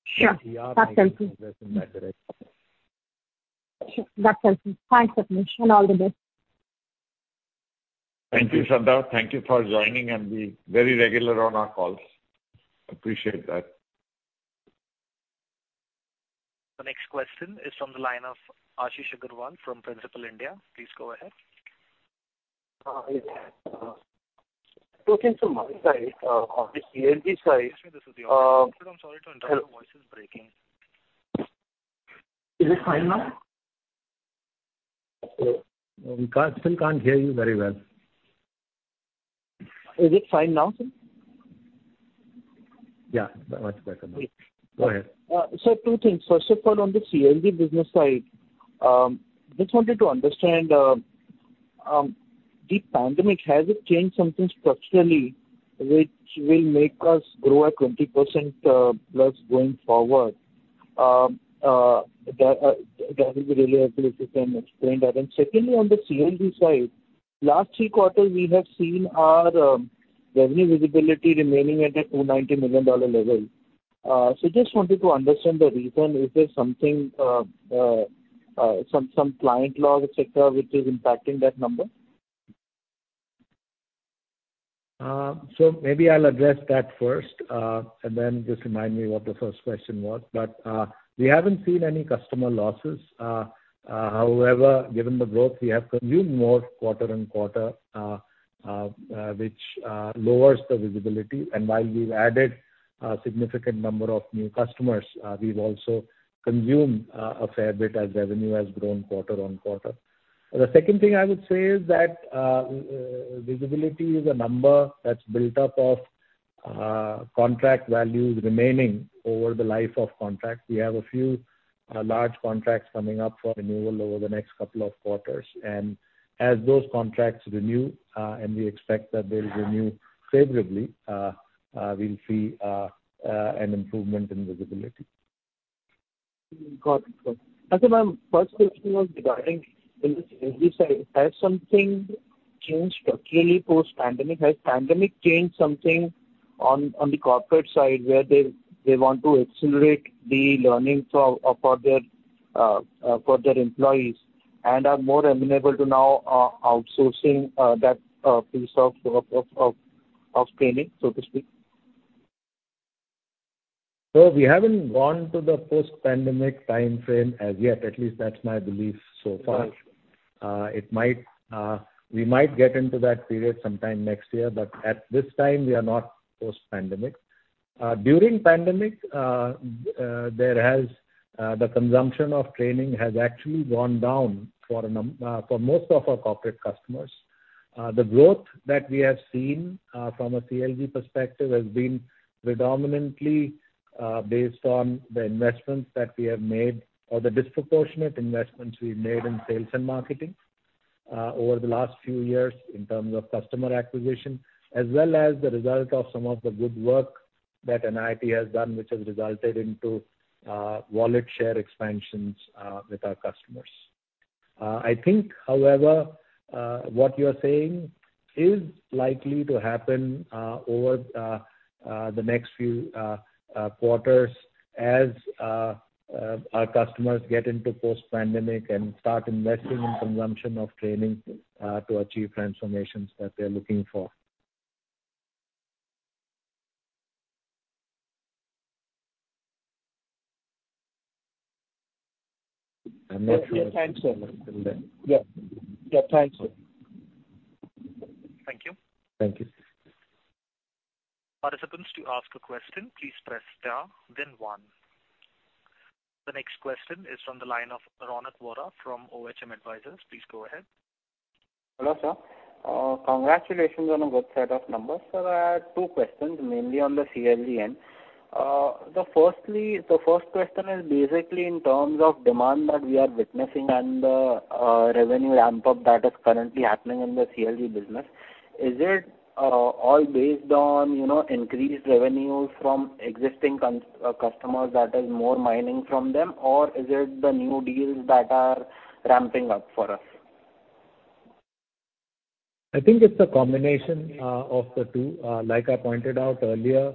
Sure. That's helpful. We are making progress in that direction. Sure. That's helpful. Thanks, Sapnesh, and all the best. Thank you, Shraddha. Thank you for joining and be very regular on our calls. Appreciate that. The next question is from the line of Ashish Agarwal from Principal India. Please go ahead. Hi. Two things from my side, on the CLG side. Excuse me. I'm sorry to interrupt. Your voice is breaking. Is it fine now? We still can't hear you very well. Is it fine now, sir? Yeah, much better now. Great. Go ahead. Sir, two things. First of all, on the CLG business side, just wanted to understand, the pandemic, has it changed something structurally which will make us grow at 20%+ going forward? That will be really helpful if you can explain that. Secondly, on the CLG side, last three quarters we have seen our revenue visibility remaining at a $290 million level. Just wanted to understand the reason. Is there something, some client loss, et cetera, which is impacting that number? Maybe I'll address that first, and then just remind me what the first question was. We haven't seen any customer losses. However, given the growth, we have consumed more quarter on quarter, which lowers the visibility. While we've added a significant number of new customers, we've also consumed a fair bit as revenue has grown quarter on quarter. The second thing I would say is that visibility is a number that's built up of contract values remaining over the life of contracts. We have a few large contracts coming up for renewal over the next couple of quarters. As those contracts renew, and we expect that they'll renew favorably, we'll see an improvement in visibility. Got it. Sir, my first question was regarding in this CLG side, has something changed structurally post-pandemic? Has pandemic changed something on the corporate side where they want to accelerate the learning for their employees and are more amenable to now outsourcing that piece of training, so to speak? We haven't gone to the post-pandemic timeframe as yet. At least that's my belief so far. We might get into that period sometime next year, but at this time we are not post-pandemic. During pandemic, the consumption of training has actually gone down for most of our corporate customers. The growth that we have seen from a CLG perspective has been predominantly based on the investments that we have made or the disproportionate investments we've made in sales and marketing over the last few years in terms of customer acquisition, as well as the result of some of the good work that NIIT has done, which has resulted into wallet share expansions with our customers. I think, however, what you're saying is likely to happen over the next few quarters as our customers get into post-pandemic and start investing in consumption of training to achieve transformations that they're looking for. Yeah, thanks, sir. Yeah. Yeah, thanks, sir. Thank you. Thank you. Participants to ask a question please press star then one. The next question is from the line of Ronak Vora from OHM Advisors. Please go ahead. Hello, sir. Congratulations on a good set of numbers. I have two questions, mainly on the CLG end. The first question is basically in terms of demand that we are witnessing and the revenue ramp-up that is currently happening in the CLG business. Is it all based on, you know, increased revenues from existing customers that is more mining from them? Or is it the new deals that are ramping up for us? I think it's a combination of the two. Like I pointed out earlier,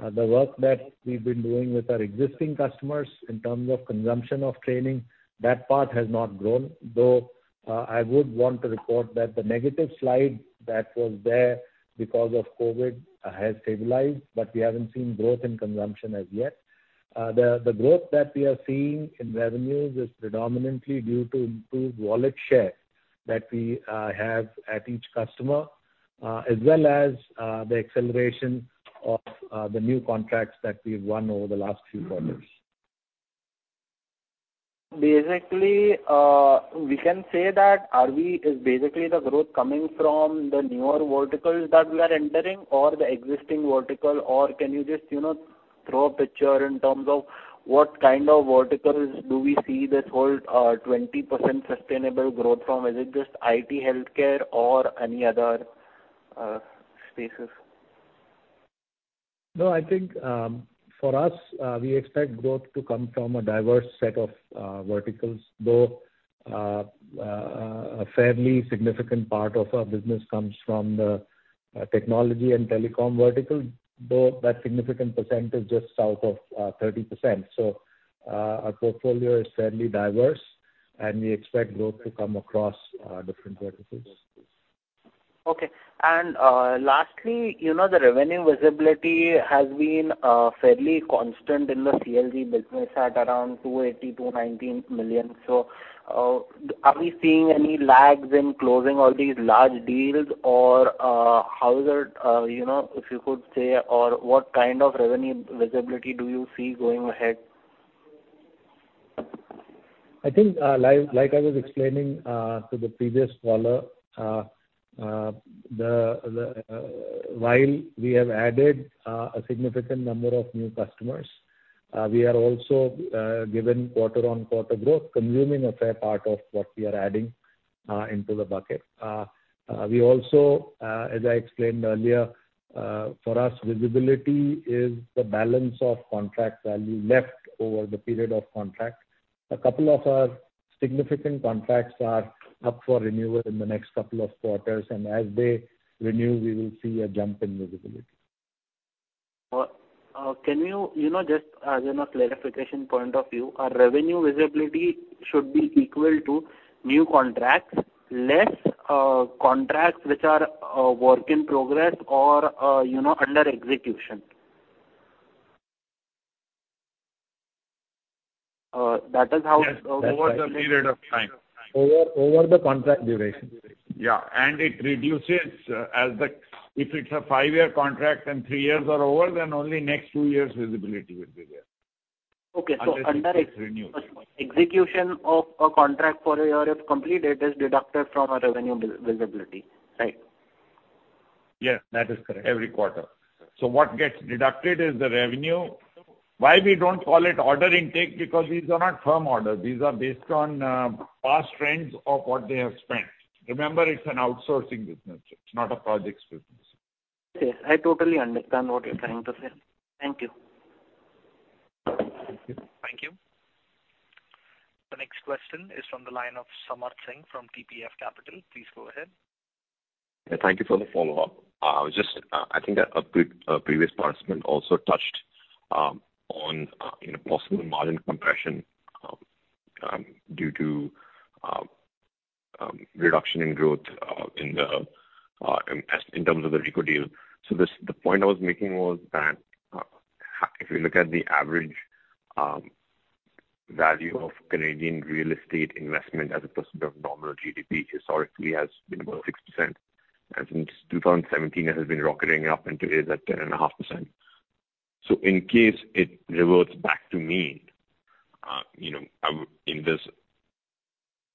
the work that we've been doing with our existing customers in terms of consumption of training, that part has not grown, though, I would want to report that the negative slide that was there because of COVID has stabilized, but we haven't seen growth in consumption as yet. The growth that we are seeing in revenues is predominantly due to improved wallet share that we have at each customer, as well as the acceleration of the new contracts that we've won over the last few quarters. Basically, we can say that is basically the growth coming from the newer verticals that we are entering or the existing vertical? Or can you just, you know, draw a picture in terms of what kind of verticals do we see this whole, 20% sustainable growth from? Is it just IT, healthcare or any other spaces? No, I think, for us, we expect growth to come from a diverse set of verticals, though a fairly significant part of our business comes from the technology and telecom vertical, though that significant percent is just south of 30%. Our portfolio is fairly diverse, and we expect growth to come across different verticals. Okay. Lastly, you know, the revenue visibility has been fairly constant in the CLG business at around $280 million-$290 million. Are we seeing any lags in closing all these large deals? Or, how is it, you know, if you could say, or what kind of revenue visibility do you see going ahead? I think, like I was explaining to the previous caller, while we have added a significant number of new customers, we are also, given quarter-on-quarter growth, consuming a fair part of what we are adding into the bucket. We also, as I explained earlier, for us visibility is the balance of contract value left over the period of contract. A couple of our significant contracts are up for renewal in the next couple of quarters, and as they renew, we will see a jump in visibility. Can you know, just as in a clarification point of view, our revenue visibility should be equal to new contracts less contracts which are work in progress or, you know, under execution. That is how- Yes, over the period of time. Over the contract duration. If it's a five-year contract and three years are over, then only next two years visibility will be there. Okay. Until it's renewed. Execution of a contract for a year is deducted from our revenue visibility, right? Yes. That is correct. Every quarter. What gets deducted is the revenue. Why we don't call it order intake, because these are not firm orders. These are based on past trends of what they have spent. Remember, it's an outsourcing business. It's not a projects business. Yes, I totally understand what you're trying to say. Thank you. Thank you. Thank you. The next question is from the line of Samarth Singh from TPF Capital. Please go ahead. Yeah. Thank you for the follow-up. Just, I think a previous participant also touched on, you know, possible margin compression due to reduction in growth in terms of the RECO deal. The point I was making was that, if you look at the average value of Canadian real estate investment as a percent of nominal GDP historically has been about 6%, and since 2017 it has been rocketing up, and today is at 10.5%. In case it reverts back to mean, you know, in this,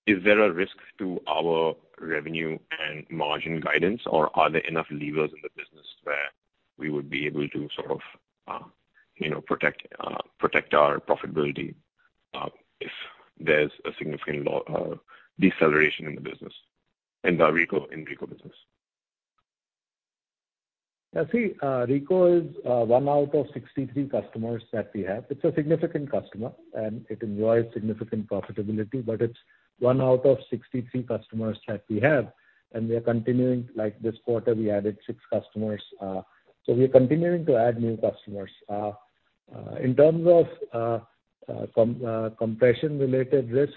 is there a risk to our revenue and margin guidance, or are there enough levers in the business where we would be able to sort of, you know, protect our profitability, if there's a significant deceleration in the business, in the RECO business? Now see, RECO is one out of 63 customers that we have. It's a significant customer, and it enjoys significant profitability, but it's one out of 63 customers that we have, and we are continuing, like this quarter we added six customers. We are continuing to add new customers. In terms of compression-related risk,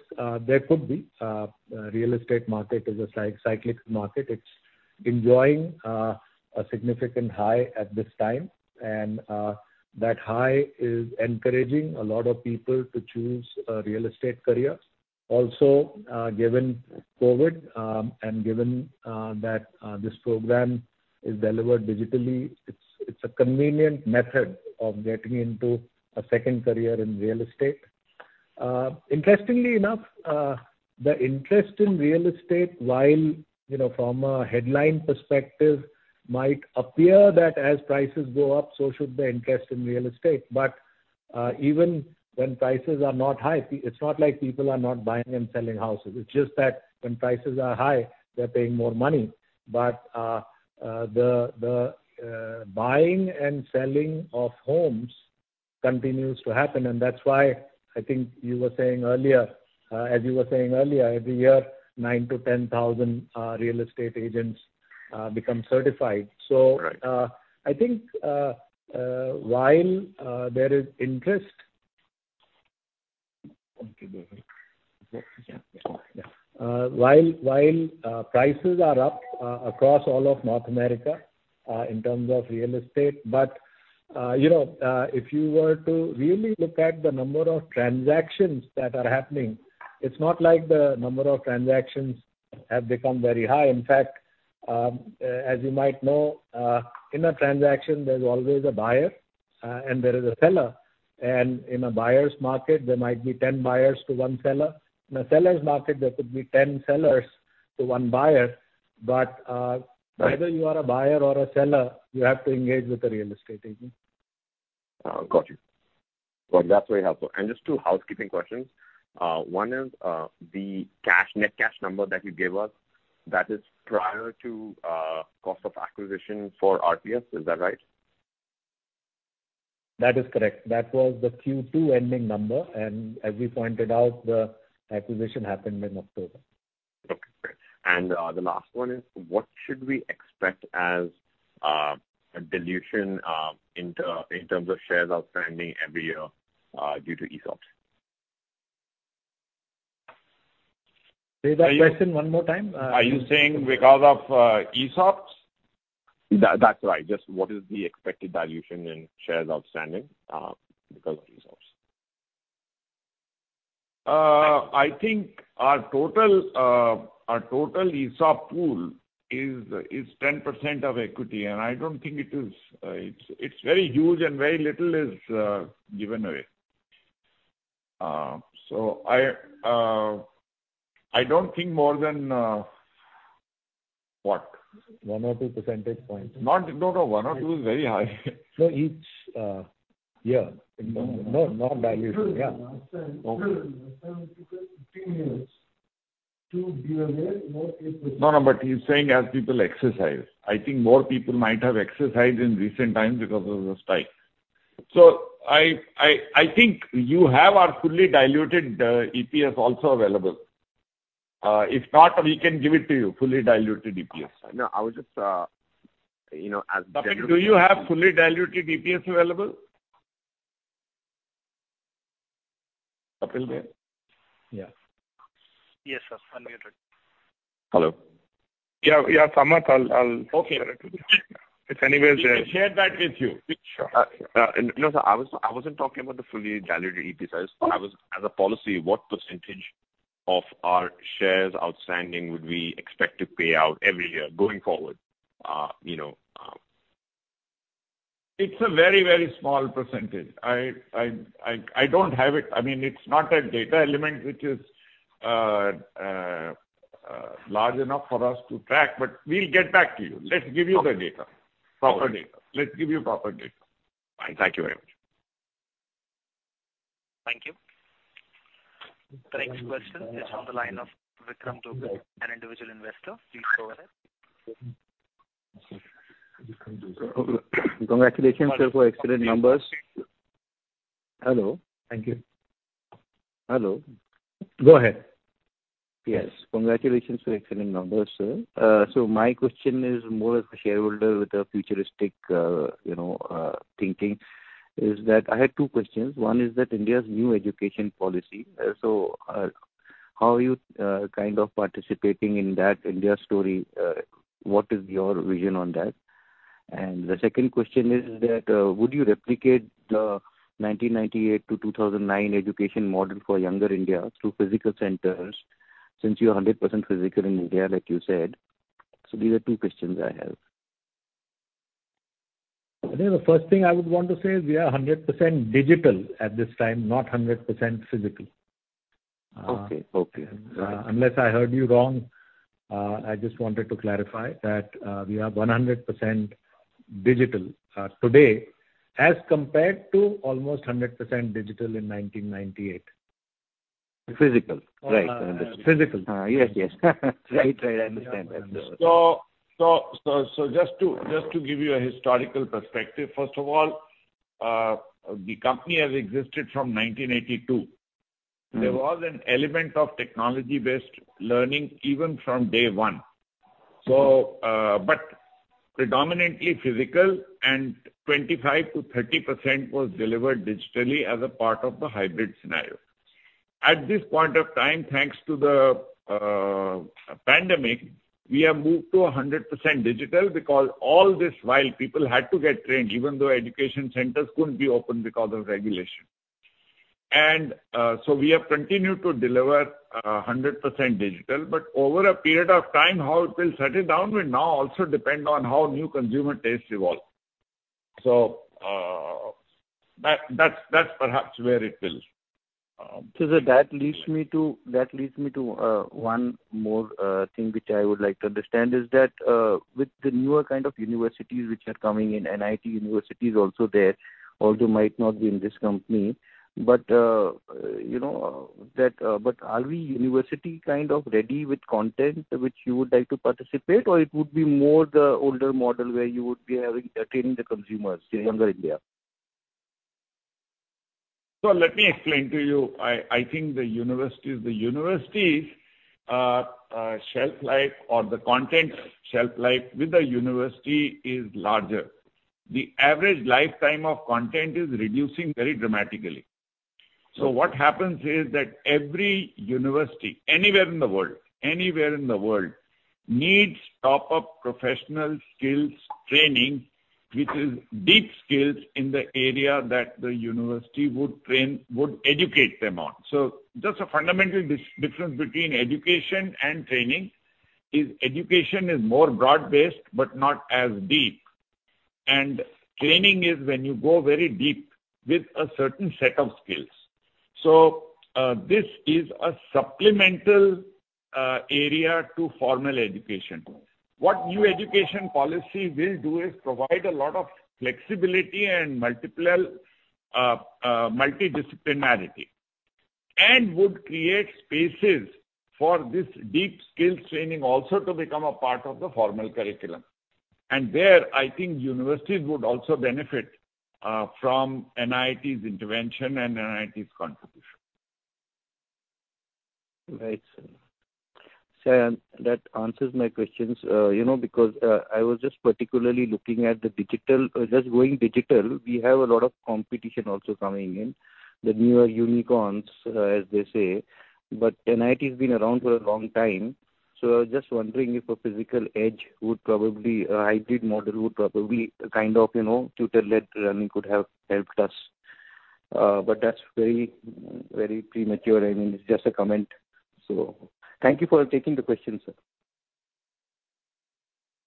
there could be. Real estate market is a cyclical market. It's enjoying a significant high at this time. That high is encouraging a lot of people to choose a real estate career. Also, given COVID, and given that this program is delivered digitally, it's a convenient method of getting into a second career in real estate. Interestingly enough, the interest in real estate, while, you know, from a headline perspective, might appear that as prices go up, so should the interest in real estate. But even when prices are not high, it's not like people are not buying and selling houses, its just that when prices are high they're paying more money. The buying and selling of homes continues to happen, and that's why I think you were saying earlier, every year, 9,000-10,000 real estate agents become certified. Right. I think while there is interest. Yeah. Prices are up across all of North America, in terms of real estate, but you know, if you were to really look at the number of transactions that are happening, it's not like the number of transactions have become very high. In fact, as you might know, in a transaction, there's always a buyer, and there is a seller. In a buyer's market, there might be 10 buyers to one seller. In a seller's market, there could be 10 sellers to one buyer. Right. Either you are a buyer or a seller, you have to engage with a real estate agent. Got you. Well, that's very helpful. Just two housekeeping questions. One is, the cash, net cash number that you gave us, that is prior to, cost of acquisition for RPS. Is that right? That is correct. That was the Q2 ending number. As we pointed out, the acquisition happened in October. Okay, great. The last one is, what should we expect as a dilution in terms of shares outstanding every year due to ESOPs? Say that question one more time. Are you saying because of ESOPs? That's right. Just what is the expected dilution in shares outstanding because of ESOPs? I think our total ESOP pool is 10% of equity, and I don't think it is very huge and very little is given away. So I don't think more than what? 1 or 2 percentage points. No, no. One or two is very high. No, each year. No, no dilution. Yeah. Okay. No, no. He's saying as people exercise. I think more people might have exercised in recent times because of the spike. I think you have our fully diluted EPS also available. If not, we can give it to you, fully diluted EPS. No, I was just, you know, as general. Kapil, do you have fully diluted EPS available? Kapil there? Yeah. Yes, sir. Unmuted. Hello. Yeah, yeah. Samarth, I'll Okay. If anywhere there- We can share that with you. Sure. No, sir. I wasn't talking about the fully diluted EPS. I was as a policy, what percentage of our shares outstanding would we expect to pay out every year going forward, you know? It's a very, very small percentage. I don't have it. I mean, it's not a data element which is large enough for us to track, but we'll get back to you. Let's give you the data. Okay. Proper data. Let's give you proper data. Fine. Thank you very much. Thank you. The next question is on the line of Vikram Dugal, an individual investor. Please go ahead. Congratulations, sir, for excellent numbers. Hello? Thank you. Hello. Go ahead. Yes. Congratulations for excellent numbers, sir. My question is more as a shareholder with a futuristic, you know, thinking, is that I had two questions. One is that India's new education policy. How are you kind of participating in that India story? What is your vision on that? The second question is that, would you replicate the 1998 to 2009 education model for younger India through physical centers, since you're 100% physical in India, like you said? These are two questions I have. I think the first thing I would want to say is we are 100% digital at this time, not 100% physical. Okay. Okay. Unless I heard you wrong, I just wanted to clarify that we are 100% digital today, as compared to almost 100% digital in 1998. Physical. Right. I understand. Physical. Yes. Right. I understand that. Just to give you a historical perspective, first of all, the company has existed from 1982. Mm-hmm. There was an element of technology-based learning even from day one. But predominantly physical and 25%-30% was delivered digitally as a part of the hybrid scenario. At this point of time, thanks to the pandemic, we have moved to 100% digital because all this while people had to get trained, even though education centers couldn't be open because of regulation. We have continued to deliver 100% digital, but over a period of time, how it will settle down will now also depend on how new consumer tastes evolve. That's perhaps where it will. That leads me to one more thing which I would like to understand is that, with the newer kind of universities which are coming in, NIIT University is also there, although it might not be in this company, but you know, but are we university kind of ready with content which you would like to participate? Or it would be more the older model where you would be attracting the consumers, the younger India? Let me explain to you. I think the universities shelf life or the content shelf life with the university is larger. The average lifetime of content is reducing very dramatically. What happens is that every university, anywhere in the world, needs top-up professional skills training, which is deep skills in the area that the university would educate them on. Just a fundamental difference between education and training is education is more broad-based but not as deep. Training is when you go very deep with a certain set of skills. This is a supplemental area to formal education. What new education policy will do is provide a lot of flexibility and multiple multidisciplinarity, and would create spaces for this deep skills training also to become a part of the formal curriculum. There, I think universities would also benefit from NIIT's intervention and NIIT's contribution. Right. That answers my questions, you know, because I was just particularly looking at the digital. Just going digital, we have a lot of competition also coming in, the newer unicorns, as they say. But NIIT has been around for a long time, so I was just wondering if a hybrid model would probably kind of, you know, tutor-led learning could have helped us. But that's very, very premature. I mean, it's just a comment. Thank you for taking the question, sir.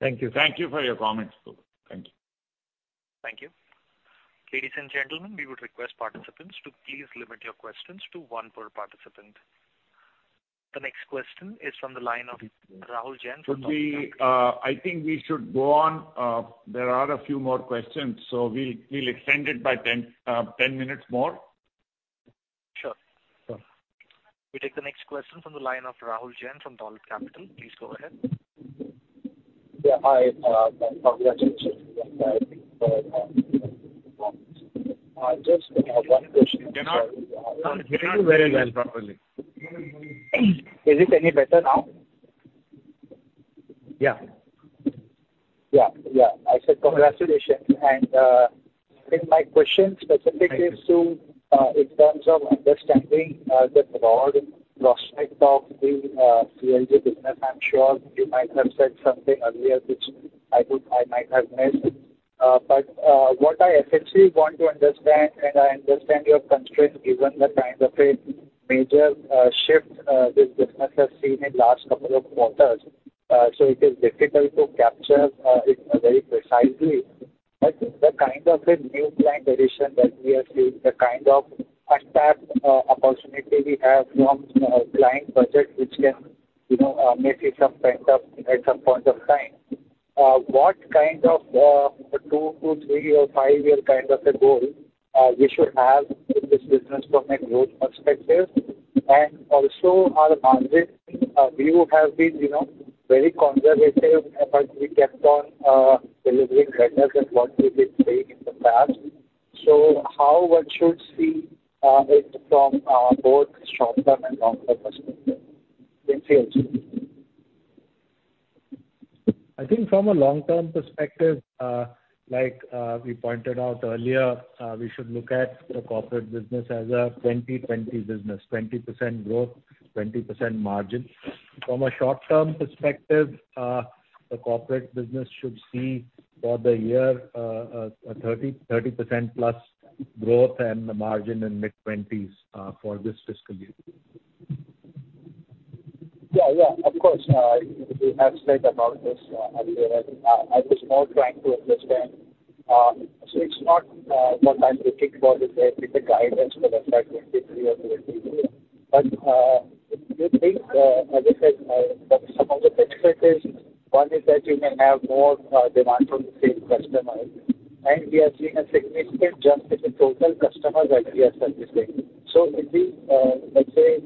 Thank you. Thank you for your comments. Thank you. Thank you. Ladies and gentlemen, we would request participants to please limit your questions to one per participant. The next question is from the line of Rahul Jain from- Should we, I think we should go on. There are a few more questions, so we'll extend it by 10 minutes more. Sure. We take the next question from the line of Rahul Jain from Dolat Capital. Please go ahead. Yeah, hi. Congratulations. Just I have one question. You're not very well probably. Is it any better now? Yeah. Yeah. I said congratulations. I think my question specifically is to, in terms of understanding, the broad prospect of the CLG business. I'm sure you might have said something earlier, which I might have missed. What I essentially want to understand, I understand your constraints, given the kind of a major shift this business has seen in last couple of quarters. It is difficult to capture it very precisely. The kind of a new client addition that we are seeing, the kind of untapped opportunity we have from client budget, which can, you know, may see some pent-up at some point of time. What kind of two to three or five year kind of a goal we should have with this business from a growth perspective. Also our margin view have been, you know, very conservative, but we kept on delivering better than what we've been saying in the past. How one should see it from both short-term and long-term perspective in sales? I think from a long-term perspective, like, we pointed out earlier, we should look at the corporate business as a 20-20 business, 20% growth, 20% margin. From a short-term perspective, the corporate business should see for the year a 30%+ growth and the margin in mid-twenties for this fiscal year. Yeah, yeah. Of course, you have said about this earlier. I was more trying to understand what I'm looking for is a specific guidance for FY 2023 or 2024. You think, as I said, some of the benefits is one is that you may have more demand from the same customers, and we are seeing a significant jump in the total customers that we are servicing. Could we, let's say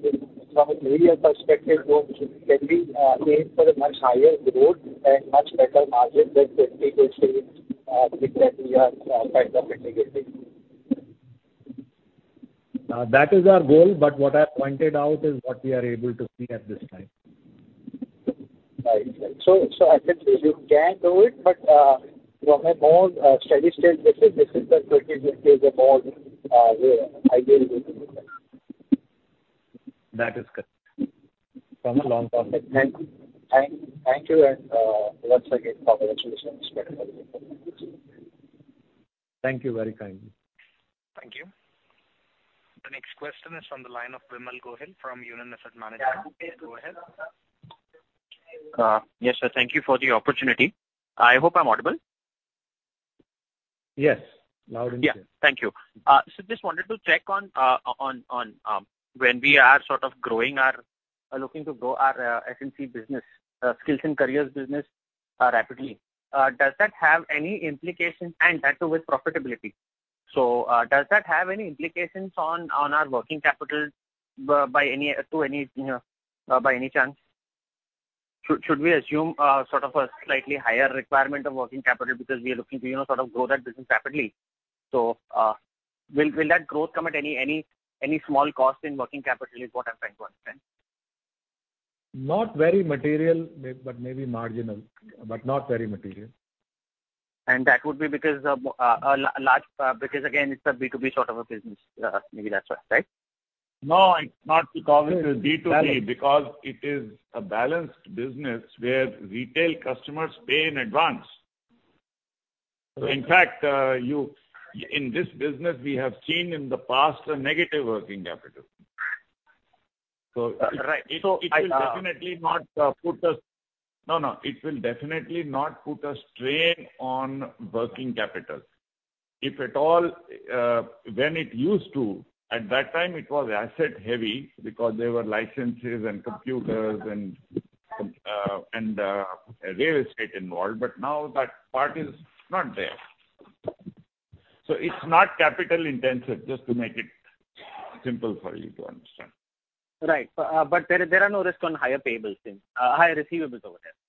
from a real perspective, what can we aim for a much higher growth and much better margin than 20% that we are kind of indicating? That is our goal, but what I pointed out is what we are able to see at this time. Right. I think you can do it, but from a more steady state basis, this is the 20% is a more realistic way to look at it. That is correct. From a long-term perspective. Thank you. Once again, congratulations. Thank you. Very kind. Thank you. The next question is from the line of Vimal Gohil from Union Asset Management. Go ahead. Yes, sir. Thank you for the opportunity. I hope I'm audible. Yes. Loud and clear. Thank you. Just wanted to check on when we are looking to grow our SNC business, Skills and Careers business, rapidly, does that have any implications and that too with profitability? Does that have any implications on our working capital by any chance? Should we assume sort of a slightly higher requirement of working capital because we are looking to you know sort of grow that business rapidly? Will that growth come at any small cost in working capital is what I'm trying to understand. Not very material, but maybe marginal, but not very material. That would be because again, it's a B2B sort of a business, maybe that's why, right? No, it's not because it is B2B. Because it is a balanced business where retail customers pay in advance. In fact, in this business, we have seen in the past a negative working capital. Right. I It will definitely not put a strain on working capital. If at all, when it used to, at that time it was asset heavy because there were licenses and computers and real estate involved. Now that part is not there. It's not capital intensive, just to make it simple for you to understand. Right. There are no risk on higher payables, higher receivables over there.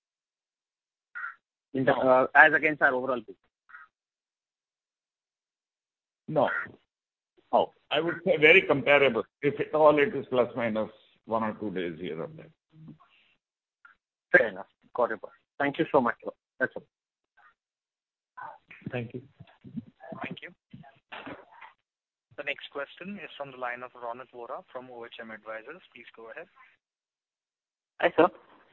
No. As against our overall picture. No. Oh. I would say very comparable. If at all, it is plus minus one or two days here or there. Fair enough. Got it. Thank you so much. That's all. Thank you. Thank you. The next question is from the line of Ronak Vora from OHM Advisors. Please go ahead. Hi, sir.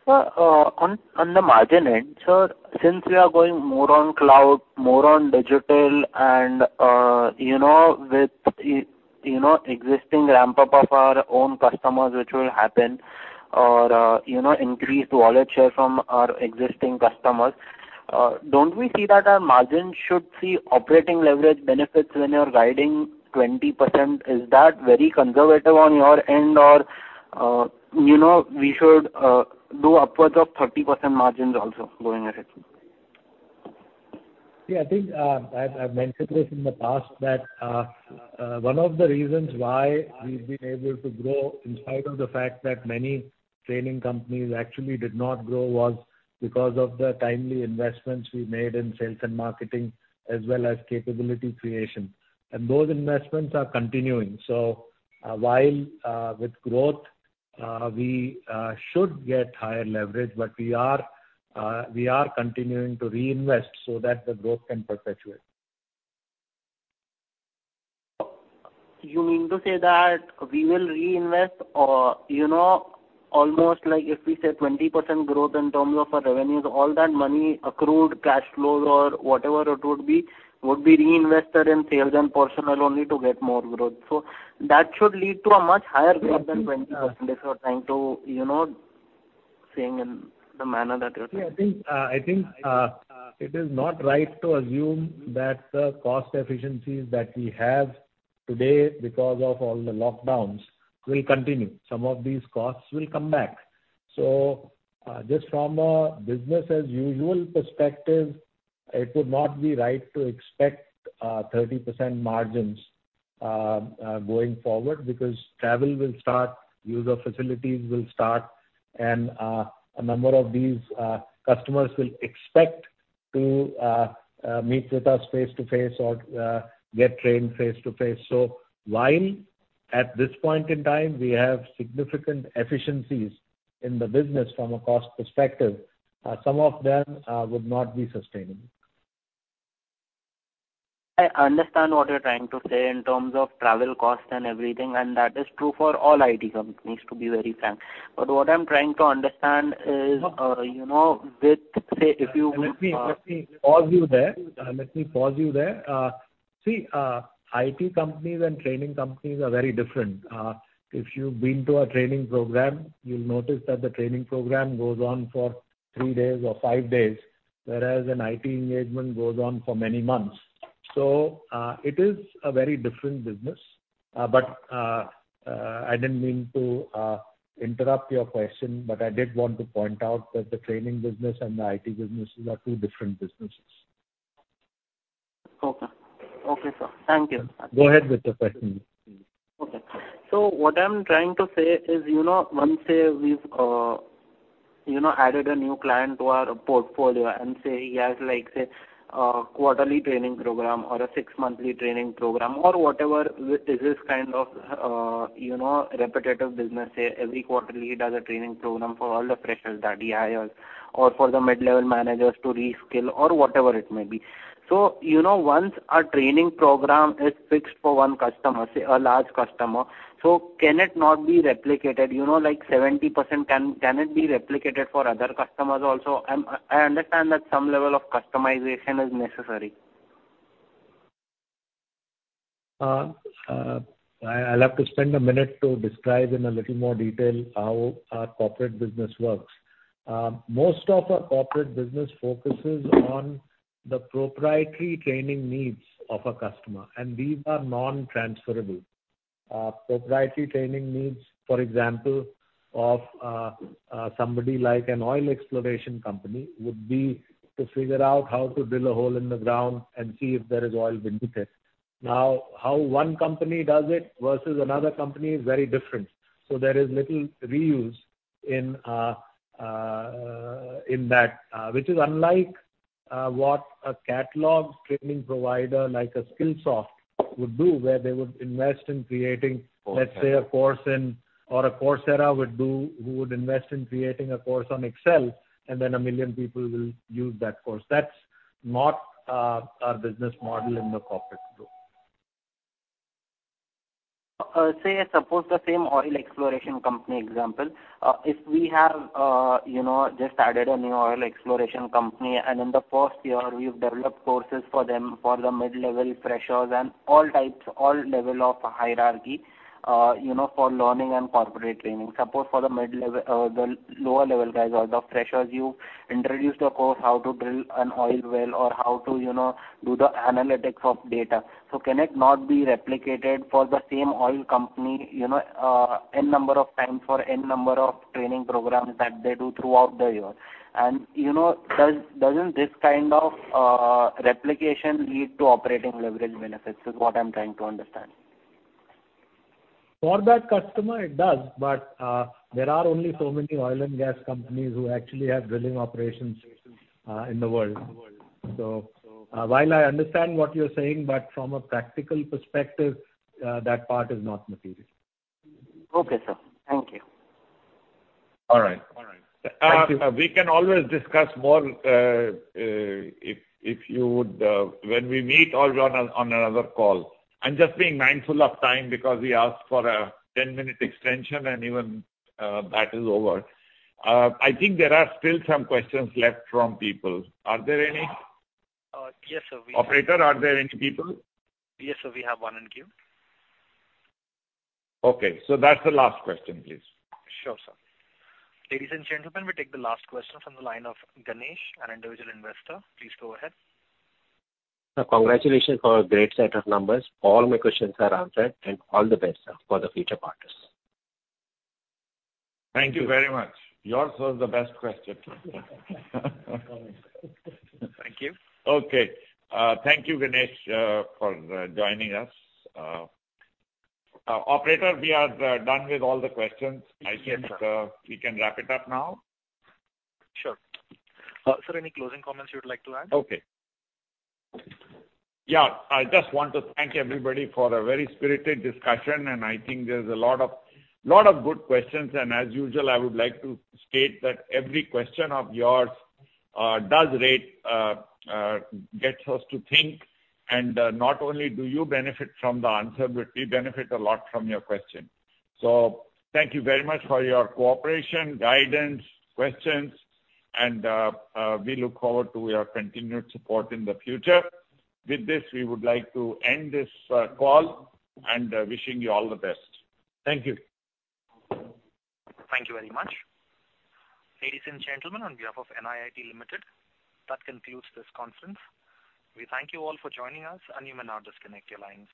Sir, on the margin end, sir, since we are going more on cloud, more on digital and, you know, with, you know, existing ramp up of our own customers which will happen or, you know, increased wallet share from our existing customers, don't we see that our margin should see operating leverage benefits when you're guiding 20%? Is that very conservative on your end or, you know, we should do upwards of 30% margins also going ahead? Yeah, I think, I've mentioned this in the past that one of the reasons why we've been able to grow in spite of the fact that many training companies actually did not grow was because of the timely investments we made in sales and marketing as well as capability creation. Those investments are continuing. While with growth we should get higher leverage, but we are continuing to reinvest so that the growth can perpetuate. You mean to say that we will reinvest or, you know, almost like if we say 20% growth in terms of our revenues, all that money accrued cash flows or whatever it would be, would be reinvested in sales and personnel only to get more growth. That should lead to a much higher growth than 20% if you're trying to, you know, saying in the manner that you're saying. I think it is not right to assume that the cost efficiencies that we have today because of all the lockdowns will continue. Some of these costs will come back. Just from a business as usual perspective, it would not be right to expect 30% margins going forward because travel will start, use of facilities will start, and a number of these customers will expect to meet with us face-to-face or get trained face-to-face. While at this point in time we have significant efficiencies in the business from a cost perspective, some of them would not be sustainable. I understand what you're trying to say in terms of travel costs and everything, and that is true for all IT companies, to be very frank. But what I'm trying to understand is, you know, with, say, if you- Let me pause you there. See, IT companies and training companies are very different. If you've been to a training program, you'll notice that the training program goes on for three days or five days, whereas an IT engagement goes on for many months. It is a very different business. I didn't mean to interrupt your question, but I did want to point out that the training business and the IT businesses are two different businesses. Okay. Okay, sir. Thank you. Go ahead with your question. Okay. What I'm trying to say is, you know, once, say, we've, you know, added a new client to our portfolio and say he has like, say, a quarterly training program or a six-monthly training program or whatever with this kind of, you know, repetitive business. Say, every quarter he does a training program for all the freshers that he hires or for the mid-level managers to reskill or whatever it may be. You know, once a training program is fixed for one customer, say a large customer, so can it not be replicated? You know, like 70%, can it be replicated for other customers also? I understand that some level of customization is necessary. I'll have to spend a minute to describe in a little more detail how our corporate business works. Most of our corporate business focuses on the proprietary training needs of a customer, and these are non-transferable. Proprietary training needs, for example, of somebody like an oil exploration company would be to figure out how to drill a hole in the ground and see if there is oil beneath it. Now, how one company does it versus another company is very different. There is little reuse in that, which is unlike what a catalog training provider, like Skillsoft would do, where they would invest in creating, let's say, a course. Or Coursera would do, who would invest in creating a course on Excel, and then 1 million people will use that course. That's not our business model in the corporate group. Say, suppose the same oil exploration company example, if we have, you know, just added a new oil exploration company, and in the first year we've developed courses for them for the mid-level freshers and all types and all levels of hierarchy, you know, for learning and corporate training. Suppose for the lower level guys or the freshers, you introduce the course how to drill an oil well or how to, you know, do the analytics of data. Can it not be replicated for the same oil company, you know, n number of times for n number of training programs that they do throughout the year? And, you know, doesn't this kind of replication lead to operating leverage benefits, is what I'm trying to understand. For that customer it does, but there are only so many oil and gas companies who actually have drilling operations in the world. While I understand what you're saying, from a practical perspective that part is not material. Okay, sir. Thank you. All right. Thank you. We can always discuss more, if you would, when we meet or on another call. I'm just being mindful of time because we asked for a ten-minute extension and even that is over. I think there are still some questions left from people. Are there any? Yes, sir. We have- Operator, are there any people? Yes, sir, we have one in queue. Okay, that's the last question, please. Sure, sir. Ladies and gentlemen, we take the last question from the line of Ganesh, an individual investor. Please go ahead. Sir, congratulations for a great set of numbers. All my questions are answered. All the best, sir, for the future quarters. Thank you very much. Yours was the best question. Thank you. Okay. Thank you, Ganesh, for joining us. Operator, we are done with all the questions. Yes, sir. I think, we can wrap it up now. Sure. Sir, any closing comments you would like to add? Okay. Yeah. I just want to thank everybody for a very spirited discussion, and I think there's a lot of good questions. As usual, I would like to state that every question of yours gets us to think. Not only do you benefit from the answer, but we benefit a lot from your question. Thank you very much for your cooperation, guidance, questions, and we look forward to your continued support in the future. With this, we would like to end this call and wish you all the best. Thank you. Thank you very much. Ladies and gentlemen, on behalf of NIIT Limited, that concludes this conference. We thank you all for joining us and you may now disconnect your lines.